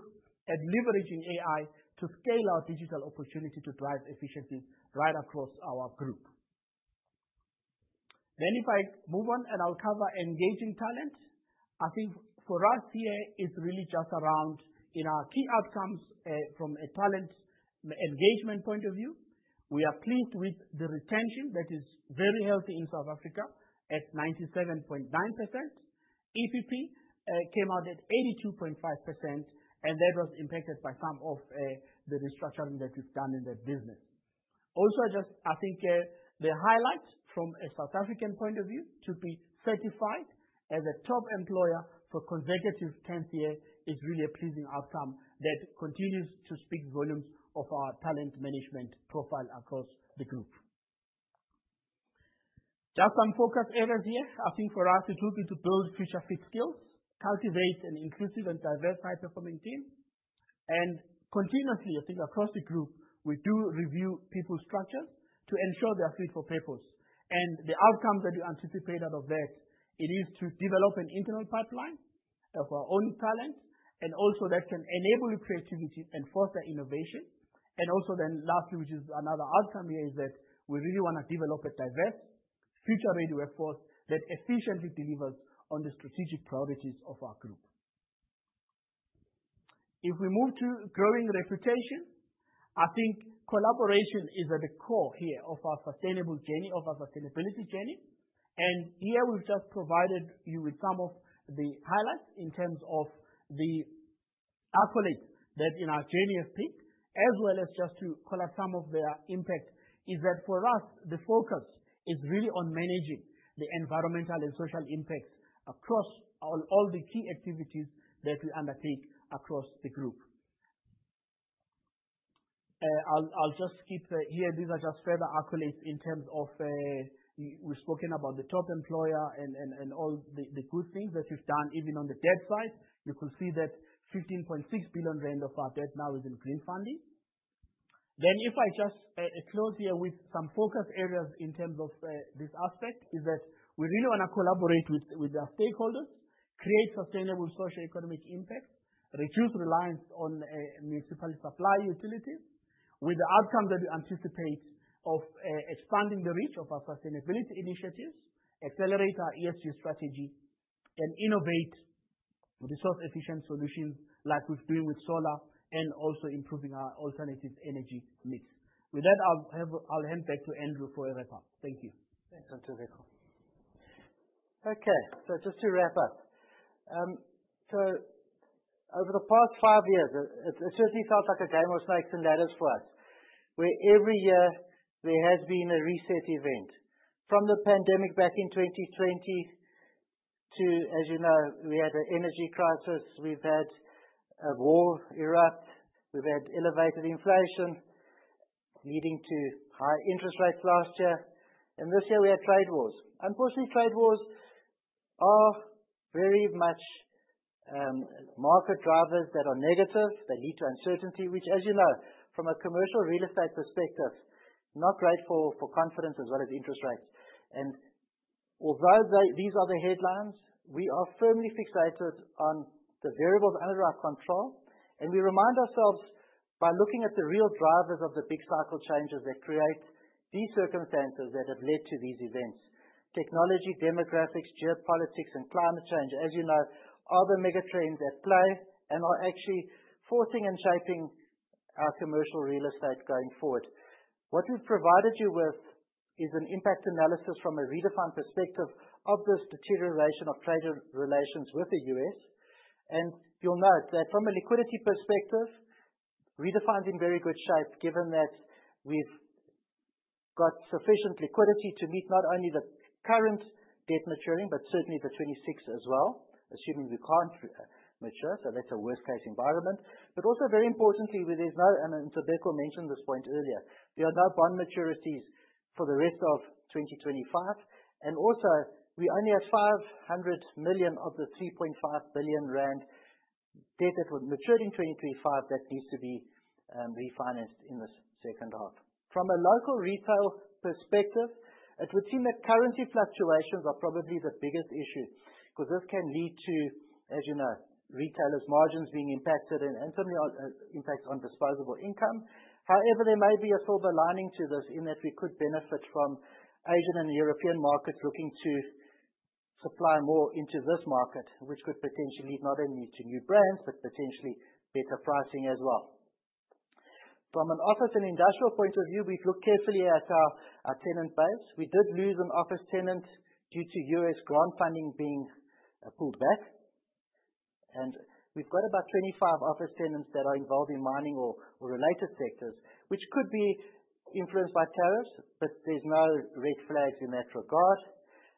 Speaker 3: at leveraging AI to scale our digital opportunity to drive efficiency right across our group. If I move on, and I'll cover engaging talent. I think for us here it's really just around, in our key outcomes, from a talent engagement point of view, we are pleased with the retention that is very healthy in South Africa at 97.9%. EPP came out at 82.5%, and that was impacted by some of the restructuring that we've done in that business. Also, just I think, the highlights from a South African point of view, to be certified as a Top Employer for consecutive 10th year is really a pleasing outcome that continues to speak volumes of our talent management profile across the group. Just some focus areas here. I think for us it's looking to build future fit skills, cultivate an inclusive and diverse, high-performing team, and continuously, I think across the group, we do review people structure to ensure they are fit for purpose. The outcomes that we anticipate out of that, it is to develop an internal pipeline of our own talent, and also that can enable creativity and foster innovation. Lastly, which is another outcome here, is that we really wanna develop a diverse future-ready workforce that efficiently delivers on the strategic priorities of our group. If we move to growing reputation, I think collaboration is at the core here of our sustainable journey, of our sustainability journey. Here we've just provided you with some of the highlights in terms of the accolades that in our journey have picked, as well as just to color some of their impact. For us, the focus is really on managing the environmental and social impacts across all the key activities that we undertake across the group. I'll just skip here. These are just further accolades in terms of we've spoken about the Top Employer and all the good things that we've done even on the debt side. You can see that 15.6 billion rand of our debt now is in green funding. If I just close here with some focus areas in terms of this aspect, is that we really wanna collaborate with our stakeholders, create sustainable socio-economic impact, reduce reliance on municipal supply utilities with the outcome that we anticipate of expanding the reach of our sustainability initiatives, accelerate our ESG strategy, and innovate resource efficient solutions like we've doing with solar and also improving our alternative energy mix. With that, I'll hand back to Andrew for a recap. Thank you.
Speaker 1: Thanks, Ntobeko. Okay, just to wrap up. Over the past five years, it certainly felt like a game of snakes and ladders for us, where every year there has been a reset event. From the pandemic back in 2020 to, as you know, we had an energy crisis, we've had a war erupt, we've had elevated inflation leading to high interest rates last year, and this year we had trade wars. Unfortunately, trade wars are very much market drivers that are negative. They lead to uncertainty, which as you know, from a commercial real estate perspective, not great for confidence as well as interest rates. Although they, these are the headlines, we are firmly fixated on the variables under our control. We remind ourselves by looking at the real drivers of the big cycle changes that create these circumstances that have led to these events. Technology, demographics, geopolitics, and climate change, as you know, are the mega trends at play and are actually forcing and shaping our commercial real estate going forward. What we've provided you with is an impact analysis from a Redefine perspective of this deterioration of trade relations with the U.S. You'll note that from a liquidity perspective, Redefine's in very good shape, given that we've got sufficient liquidity to meet not only the current debt maturing, but certainly the 26 as well, assuming we can't mature. That's a worst case environment. Also, very importantly, there is no, and Ntobeko mentioned this point earlier, there are no bond maturities for the rest of 2025. We only have 500 million of the 3.5 billion rand debt that would mature in 2025 that needs to be refinanced in the second half. From a local retail perspective, it would seem that currency fluctuations are probably the biggest issue, because this can lead to, as you know, retailers' margins being impacted and certainly impacts on disposable income. However, there may be a silver lining to this in that we could benefit from Asian and European markets looking to supply more into this market, which could potentially not only lead to new brands, but potentially better pricing as well. From an office and industrial point of view, we've looked carefully at our tenant base. We did lose an office tenant due to U.S. grant funding being pulled back. We've got about 25 office tenants that are involved in mining or related sectors, which could be influenced by tariffs, but there's no red flags in that regard.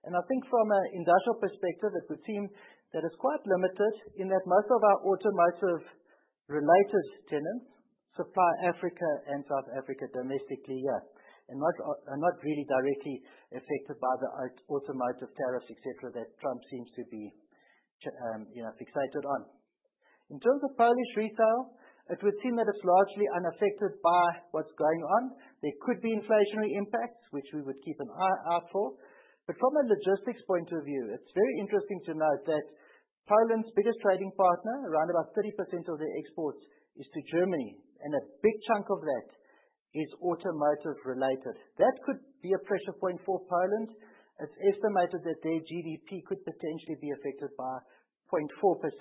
Speaker 1: I think from an industrial perspective, it would seem that it's quite limited in that most of our automotive related tenants supply Africa and South Africa domestically, and not really directly affected by the automotive tariffs, et cetera, that Trump seems to be fixated on. In terms of Polish retail, it would seem that it's largely unaffected by what's going on. There could be inflationary impacts, which we would keep an eye out for. From a logistics point of view, it's very interesting to note that Poland's biggest trading partner, around about 30% of their exports, is to Germany, and a big chunk of that is automotive related. That could be a pressure point for Poland. It's estimated that their GDP could potentially be affected by 0.4%.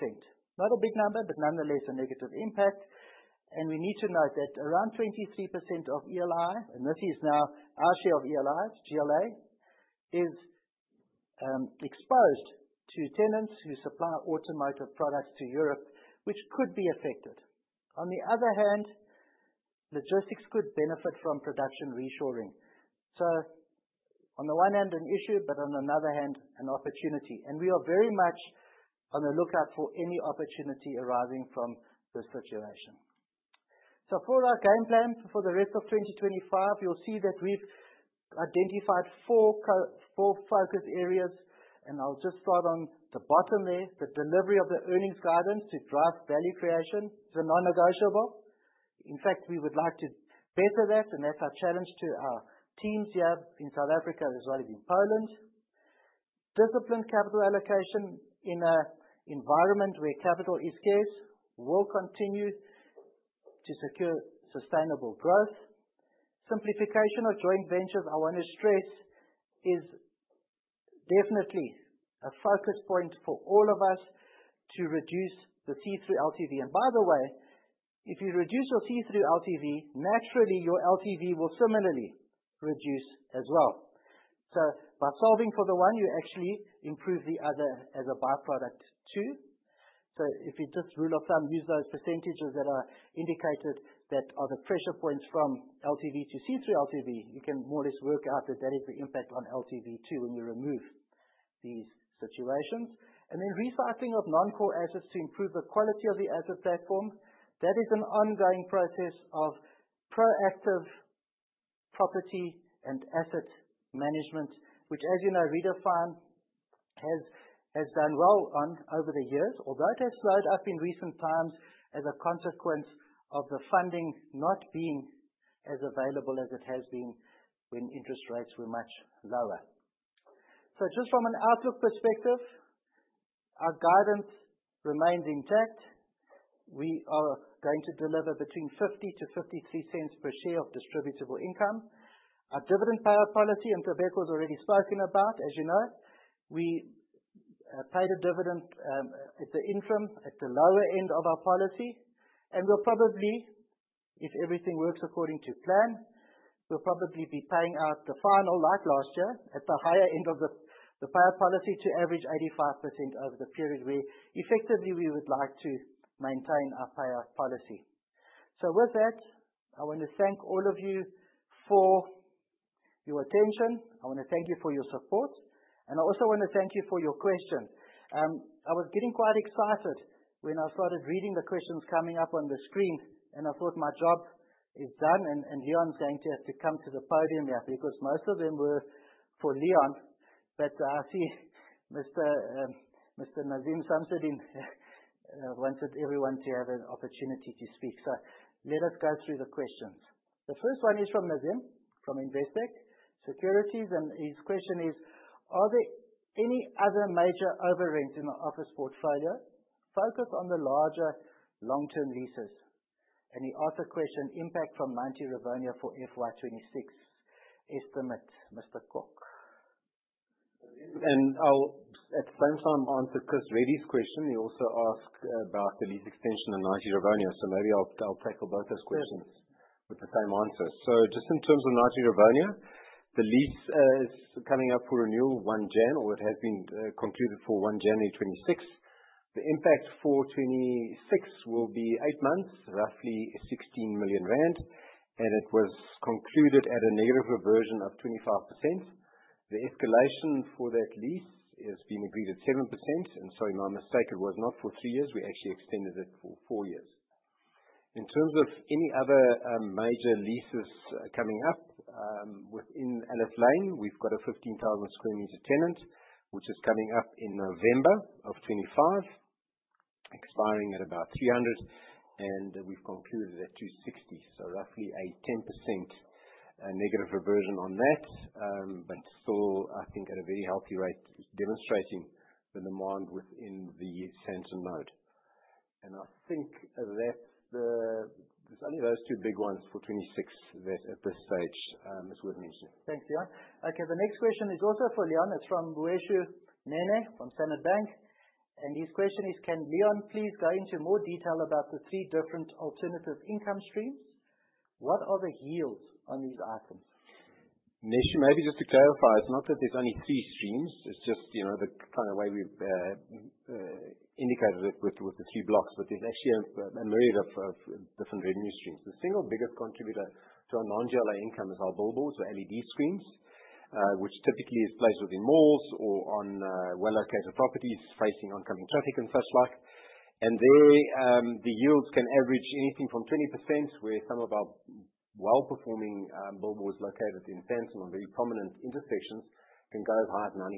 Speaker 1: Not a big number, but nonetheless a negative impact. We need to note that around 23% of ELI, and this is now our share of ELI's GLA, is exposed to tenants who supply automotive products to Europe, which could be affected. On the other hand, logistics could benefit from production reshoring. On the one hand, an issue, but on another hand, an opportunity. We are very much on the lookout for any opportunity arising from this situation. For our game plan for the rest of 2025, you'll see that we've identified four focus areas, and I'll just start on the bottom there. The delivery of the earnings guidance to drive value creation is a non-negotiable. In fact, we would like to better that, and that's our challenge to our teams here in South Africa as well as in Poland. Disciplined capital allocation in an environment where capital is scarce will continue to secure sustainable growth. Simplification of joint ventures, I wanna stress, is definitely a focus point for all of us to reduce the see-through LTV. By the way, if you reduce your see-through LTV, naturally your LTV will similarly reduce as well. By solving for the one, you actually improve the other as a byproduct, too. If you just rule of thumb use those percentages that are indicated that are the pressure points from LTV to see-through LTV, you can more or less work out that that is the impact on LTV too, when you remove these situations. Recycling of non-core assets to improve the quality of the asset platform. That is an ongoing process of proactive property and asset management, which as you know, Redefine has done well on over the years. Although it has slowed up in recent times as a consequence of the funding not being as available as it has been when interest rates were much lower. Just from an outlook perspective, our guidance remains intact. We are going to deliver between 0.50 and 0.53 per share of distributable income. Our dividend payout policy, and Ntobeko's already spoken about, as you know. We paid a dividend at the interim, at the lower end of our policy. We'll probably, if everything works according to plan, we'll probably be paying out the final, like last year, at the higher end of the payout policy to average 85% over the period, where effectively we would like to maintain our payout policy. With that, I want to thank all of you for your attention. I wanna thank you for your support. I also wanna thank you for your questions. I was getting quite excited when I started reading the questions coming up on the screen, and I thought my job is done and Leon's going to have to come to the podium here, because most of them were for Leon. I see Mr. Nazeem Samsodien wanted everyone to have an opportunity to speak. Let us go through the questions. The first one is from Nazeem from Investec Securities, and his question is: Are there any other major over rents in the office portfolio? Focus on the larger long-term leases. He asked a question, impact from 90 Rivonia for FY 2026 estimate. Mr. Kok.
Speaker 2: I'll at the same time answer Chris Reddy's question. He also asked about the lease extension in 90 Rivonia. Maybe I'll tackle both those questions.
Speaker 1: Sure.
Speaker 2: With the same answer. Just in terms of 90 Rivonia, the lease is coming up for renewal 1 January, or it has been concluded for 1 January 2026. The impact for 2026 will be eight months, roughly 16 million rand, and it was concluded at a negative reversion of 25%. The escalation for that lease is being agreed at 7%. Sorry, my mistake, it was not for three years. We actually extended it for four years. In terms of any other major leases coming up within Alice Lane, we've got a 15,000 sq m tenant which is coming up in November 2025, expiring at about 300, and we've concluded at 260. Roughly a 10% negative reversion on that. Still, I think at a very healthy rate, demonstrating the demand within the Sandton node. There's only those two big ones for 26 that at this stage is with me.
Speaker 1: Thanks, Leon. Okay. The next question is also for Leon. It's from Mweisho Nene from Standard Bank, and his question is: Can Leon please go into more detail about the three different alternative income streams? What are the yields on these items?
Speaker 2: Mweisho, maybe just to clarify, it's not that there's only three streams. It's just, you know, the kind of way we've indicated it with the three blocks, but there's actually a myriad of different revenue streams. The single biggest contributor to our non-GLA income is our billboards or LED screens, which typically is placed within malls or on well-located properties facing oncoming traffic and such like. There, the yields can average anything from 20%, where some of our well-performing billboards located in Sandton on very prominent intersections can go as high as 95%.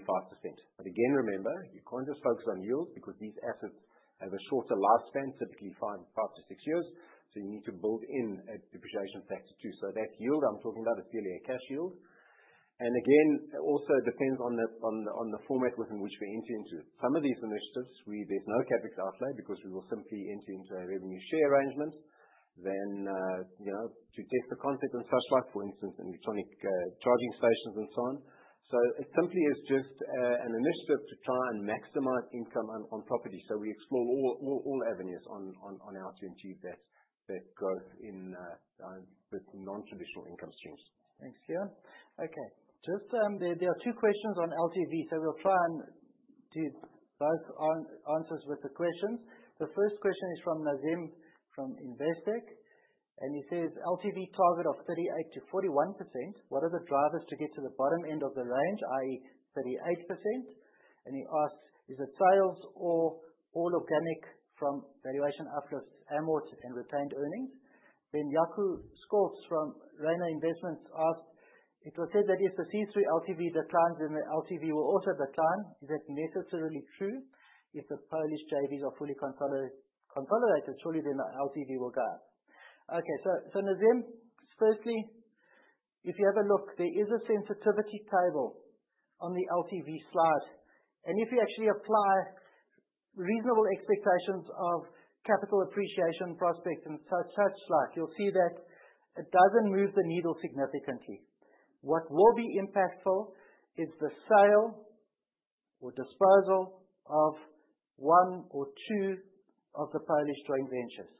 Speaker 2: But again, remember, you can't just focus on yields because these assets have a shorter lifespan, typically five to six years. You need to build in a depreciation factor too. That yield I'm talking about is clearly a cash yield. Again, also depends on the format within which we enter into. Some of these initiatives, there's no CapEx outlay because we will simply enter into a revenue share arrangement rather than you know, to test the concept and such like. For instance, in electric charging stations and so on. It simply is just an initiative to try and maximize income on property. We explore all avenues on how to achieve that growth with non-traditional income streams.
Speaker 1: Thanks, Leon. Okay. Just, there are two questions on LTV, so we'll try and do both answers with the questions. The first question is from Nazeem Samsodien, from Investec, and he says, "LTV target of 38%-41%, what are the drivers to get to the bottom end of the range, i.e., 38%?" And he asks, "Is it sales or all organic from valuation uplift, amort and retained earnings?" Then Jaco Scholtz from Rainer Investments asked, "It was said that if the C3 LTV declines, then the LTV will also decline. Is that necessarily true? If the Polish JVs are fully consolidated, surely then the LTV will go up." Okay. So, Nazeem Samsodien, firstly, if you have a look, there is a sensitivity table on the LTV slide. If you actually apply reasonable expectations of capital appreciation prospects and such like, you'll see that it doesn't move the needle significantly. What will be impactful is the sale or disposal of one or two of the Polish joint ventures.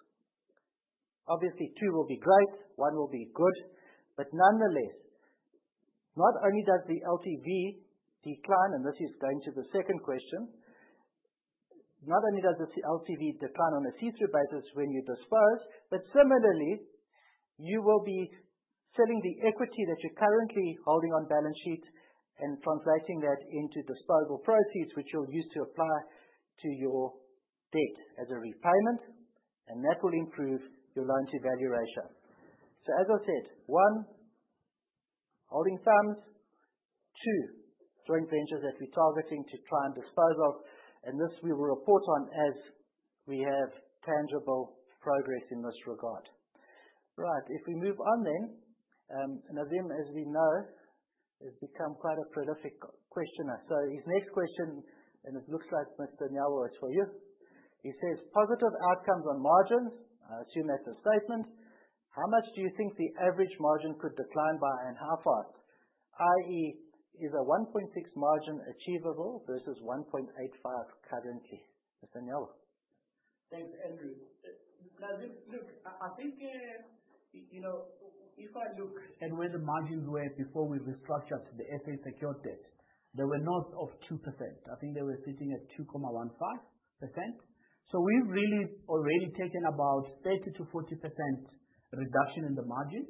Speaker 1: Obviously, two will be great, one will be good, but nonetheless, not only does the LTV decline, and this is going to the second question, not only does the see-through LTV decline on a C3 basis when you dispose, but similarly, you will be selling the equity that you're currently holding on balance sheet and translating that into disposable proceeds which you'll use to apply to your debt as a repayment, and that will improve your loan-to-value ratio. As I said, one, holding thumbs. Two, joint ventures that we're targeting to try and dispose of, and this we will report on as we have tangible progress in this regard. Right. If we move on then, Nazeem, as we know, has become quite a prolific questioner. His next question, and it looks like, Mr. Nyawo, it's for you. He says, "Positive outcomes on margins." I assume that's a statement. "How much do you think the average margin could decline by and how far? I.e., is a 1.6% margin achievable versus 1.85% currently?" Mr. Nyawo.
Speaker 3: Thanks, Andrew. Nazeem, look, I think you know, if I look at where the margins were before we restructured the SA secured debt, they were not at 2%. I think they were sitting at 2.15%. So we've really already taken about 30%-40% reduction in the margin.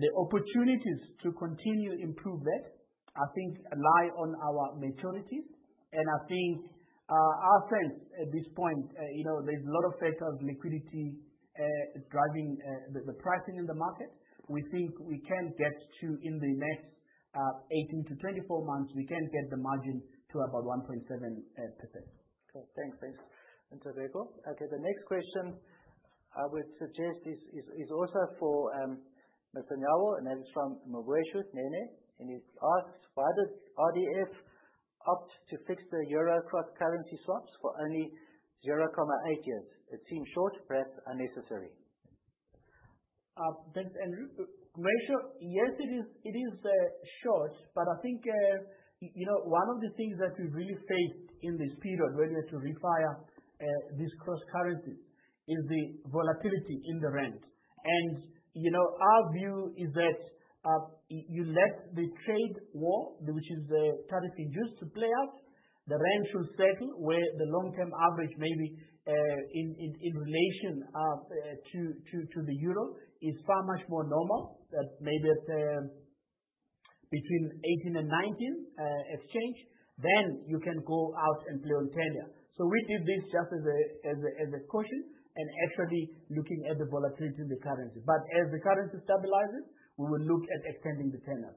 Speaker 3: The opportunities to continue to improve that, I think lie on our maturities. I think our sense at this point you know, there's a lot of factors, liquidity is driving the pricing in the market. We think we can get to in the next 18-24 months, we can get the margin to about 1.7%.
Speaker 1: Cool. Thanks. Thanks, Mr. Nyawo. Okay, the next question I would suggest is also for Mr. Nyawo, and that is from Mweisho Nene, and he asks: Why does RDF opt to fix the euro cross-currency swaps for only 0.8 years? It seems short, perhaps unnecessary.
Speaker 3: Thanks, Andrew. Mweisho, yes, it is short, but I think you know one of the things that we really faced in this period when we had to refinance this cross-currency is the volatility in the rand. You know, our view is that you let the trade war, which is the currency juice to play out, the rand should settle where the long-term average may be in relation to the euro is far more normal than maybe at Between 2018 and 2019, exchange, then you can go out and play on tenure. We did this just as a caution and actually looking at the volatility in the currency. As the currency stabilizes, we will look at extending the tenure.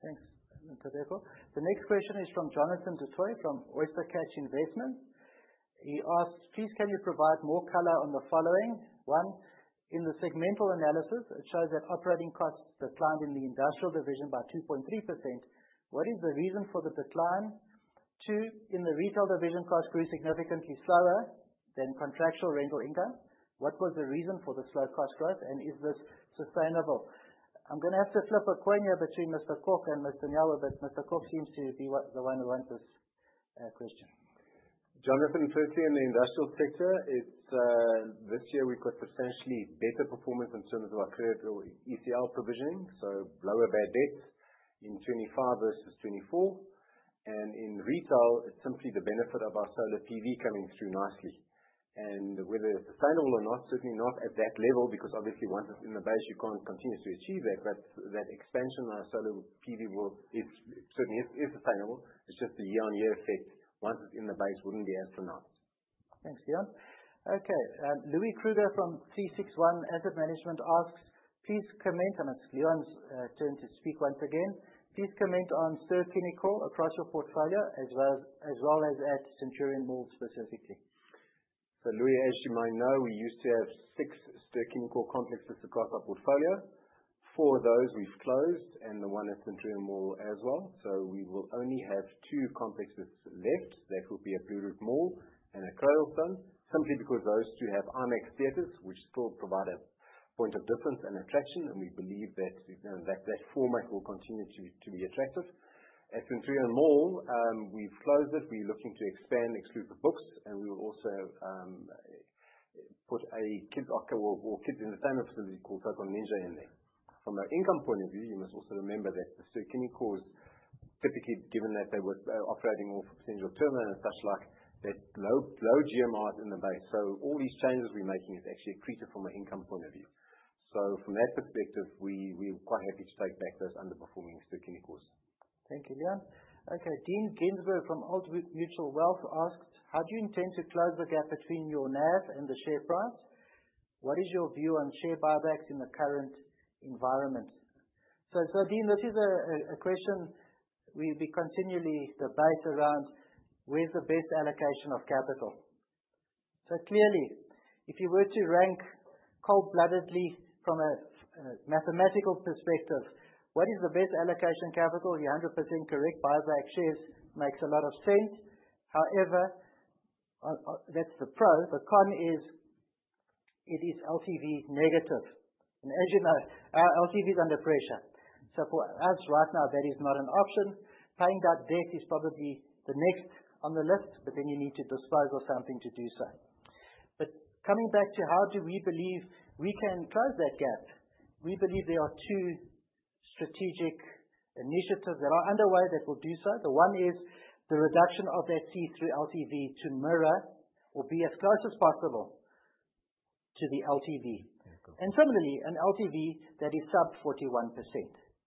Speaker 1: Thanks, Ntobeko. The next question is from Jonathan du Toit from Oyster Catcher Investments. He asks, "Please can you provide more color on the following. One, in the segmental analysis, it shows that operating costs declined in the industrial division by 2.3%. What is the reason for the decline? Two, in the retail division, costs grew significantly slower than contractual rental income. What was the reason for the slow cost growth, and is this sustainable?" I'm gonna have to flip a coin here between Leon Kok and Ntobeko Nyawo, but Leon Kok seems to be the one who answered question.
Speaker 2: Jonathan, firstly, in the industrial sector, it's this year we've got substantially better performance in terms of our credit or ECL provisioning, so lower bad debts in FY 2025 versus FY 2024. In retail, it's simply the benefit of our solar PV coming through nicely. Whether it's sustainable or not, certainly not at that level, because obviously once it's in the base, you can't continue to achieve that. That expansion of solar PV will. It's certainly sustainable. It's just a year-on-year effect. Once it's in the base, wouldn't be as pronounced.
Speaker 1: Thanks, Leon. Okay. Louis Kruger from C61 Asset Management asks, "Please comment." It's Leon's turn to speak once again. "Please comment on Ster-Kinekor across your portfolio as well as at Centurion Mall specifically.
Speaker 2: Louis, as you might know, we used to have six Ster-Kinekor complexes across our portfolio. Four of those we've closed, and the one at Centurion Mall as well. We will only have two complexes left. That will be at Blue Route Mall and at Killarney Mall, simply because those two have IMAX theaters which still provide a point of difference and attraction, and we believe that that format will continue to be attractive. At Centurion Mall, we've closed it. We're looking to expand Exclusive Books, and we will also put a kids entertainment facility called Total Ninja in there. From an income point of view, you must also remember that the Ster-Kinekor is typically given that they were operating off percentage rental and such like, that low GMIs in the base. All these changes we're making is actually accretive from an income point of view. From that perspective, we're quite happy to take back those underperforming Ster-Kinekor.
Speaker 1: Thank you, Leon. Okay. Dean Gillan from Centaur Asset Management asked, "How do you intend to close the gap between your NAV and the share price? What is your view on share buybacks in the current environment?" Dean, this is a question we continually debate around where's the best allocation of capital. Clearly, if you were to rank cold-bloodedly from a mathematical perspective, what is the best allocation capital? You're 100% correct. Buyback shares makes a lot of sense. However, that's the pro. The con is, it is LTV negative. As you know, our LTV is under pressure. For us right now, that is not an option. Paying down debt is probably the next on the list, but then you need to dispose of something to do so. Coming back to how do we believe we can close that gap, we believe there are two strategic initiatives that are underway that will do so. The one is the reduction of that C3 LTV to mirror or be as close as possible to the LTV. Secondly, an LTV that is sub 41%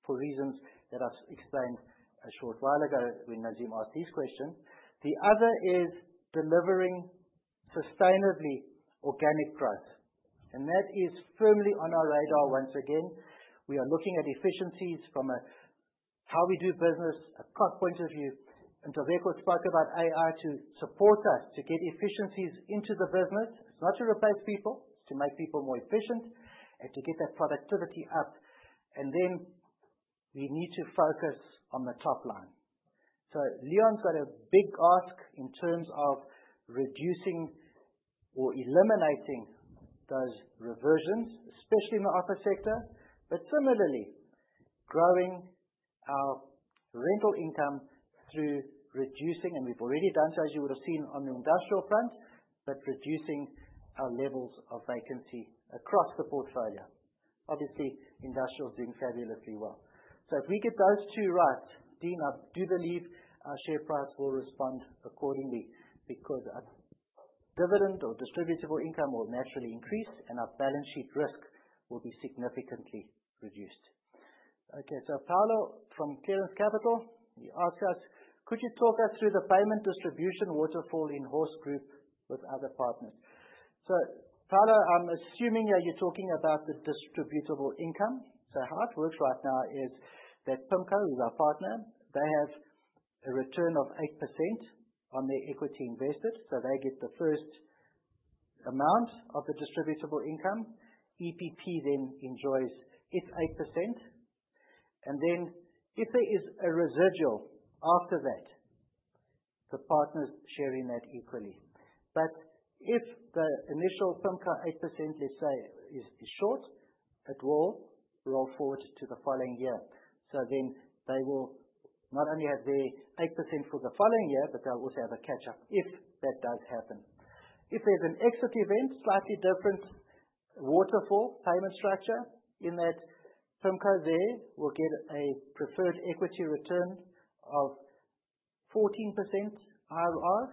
Speaker 1: for reasons that I've explained a short while ago when Nazeem asked his question. The other is delivering sustainably organic growth. That is firmly on our radar once again. We are looking at efficiencies from a how we do business across points of view. Ntobeko spoke about AI to support us to get efficiencies into the business. It's not to replace people, it's to make people more efficient and to get that productivity up. Then we need to focus on the top line. Leon's got a big ask in terms of reducing or eliminating those reversions, especially in the office sector. Similarly, growing our rental income through reducing, and we've already done so, as you would have seen on the industrial front, but reducing our levels of vacancy across the portfolio. Obviously, industrial is doing fabulously well. If we get those two right, Dean, I do believe our share price will respond accordingly because our dividend or distributable income will naturally increase and our balance sheet risk will be significantly reduced. Okay. Paolo from Clarens Capital, he asked us, "Could you talk us through the payment distribution waterfall in Horse Group with other partners?" Paolo, I'm assuming that you're talking about the distributable income. How it works right now is that PIMCO, who's our partner, they have a return of 8% on their equity invested. They get the first amount of the distributable income. EPP then enjoys its 8%. Then if there is a residual after that, the partners share in that equally. If the initial PIMCO 8%, let's say, is short, it will roll forward to the following year. They will not only have their 8% for the following year, but they'll also have a catch-up if that does happen. If there's an exit event, slightly different waterfall payment structure in that PIMCO there will get a preferred equity return of 14% IRR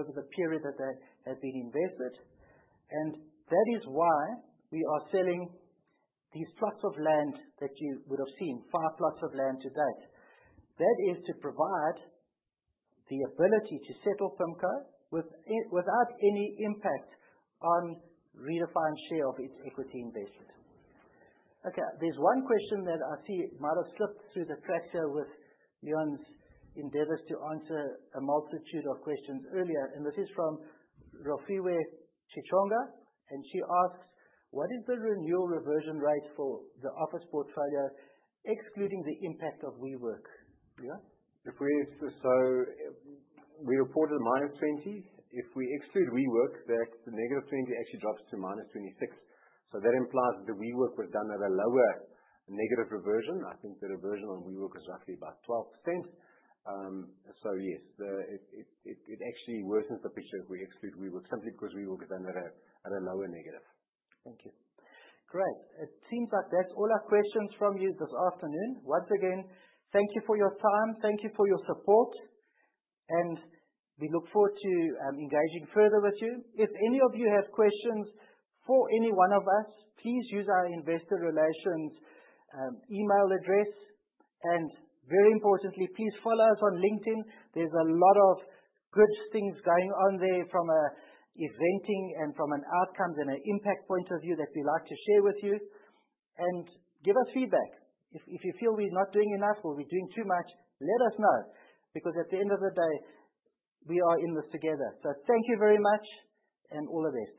Speaker 1: over the period that they have been invested. That is why we are selling these plots of land that you would have seen, five plots of land to date. That is to provide the ability to settle PIMCO without any impact on Redefine's share of its equity investment. Okay. There's one question that I see might have slipped through the cracks here with Leon's endeavors to answer a multitude of questions earlier, and this is from Rafi Chichon, and she asks, "What is the renewal reversion rate for the office portfolio, excluding the impact of WeWork?" Leon?
Speaker 2: If we reported -20. If we exclude WeWork, that negative 20 actually drops to -26. That implies that the WeWork was done at a lower negative reversion. I think the reversion on WeWork is roughly about 12%. It actually worsens the picture if we exclude WeWork simply because WeWork was done at a lower negative.
Speaker 1: Thank you. Great. It seems like that's all our questions from you this afternoon. Once again, thank you for your time. Thank you for your support, and we look forward to engaging further with you. If any of you have questions for any one of us, please use our investor relations email address. Very importantly, please follow us on LinkedIn. There's a lot of good things going on there from an event and from an outcome's and an impact point of view that we'd like to share with you. Give us feedback. If you feel we're not doing enough or we're doing too much, let us know, because at the end of the day, we are in this together. Thank you very much, and all the best.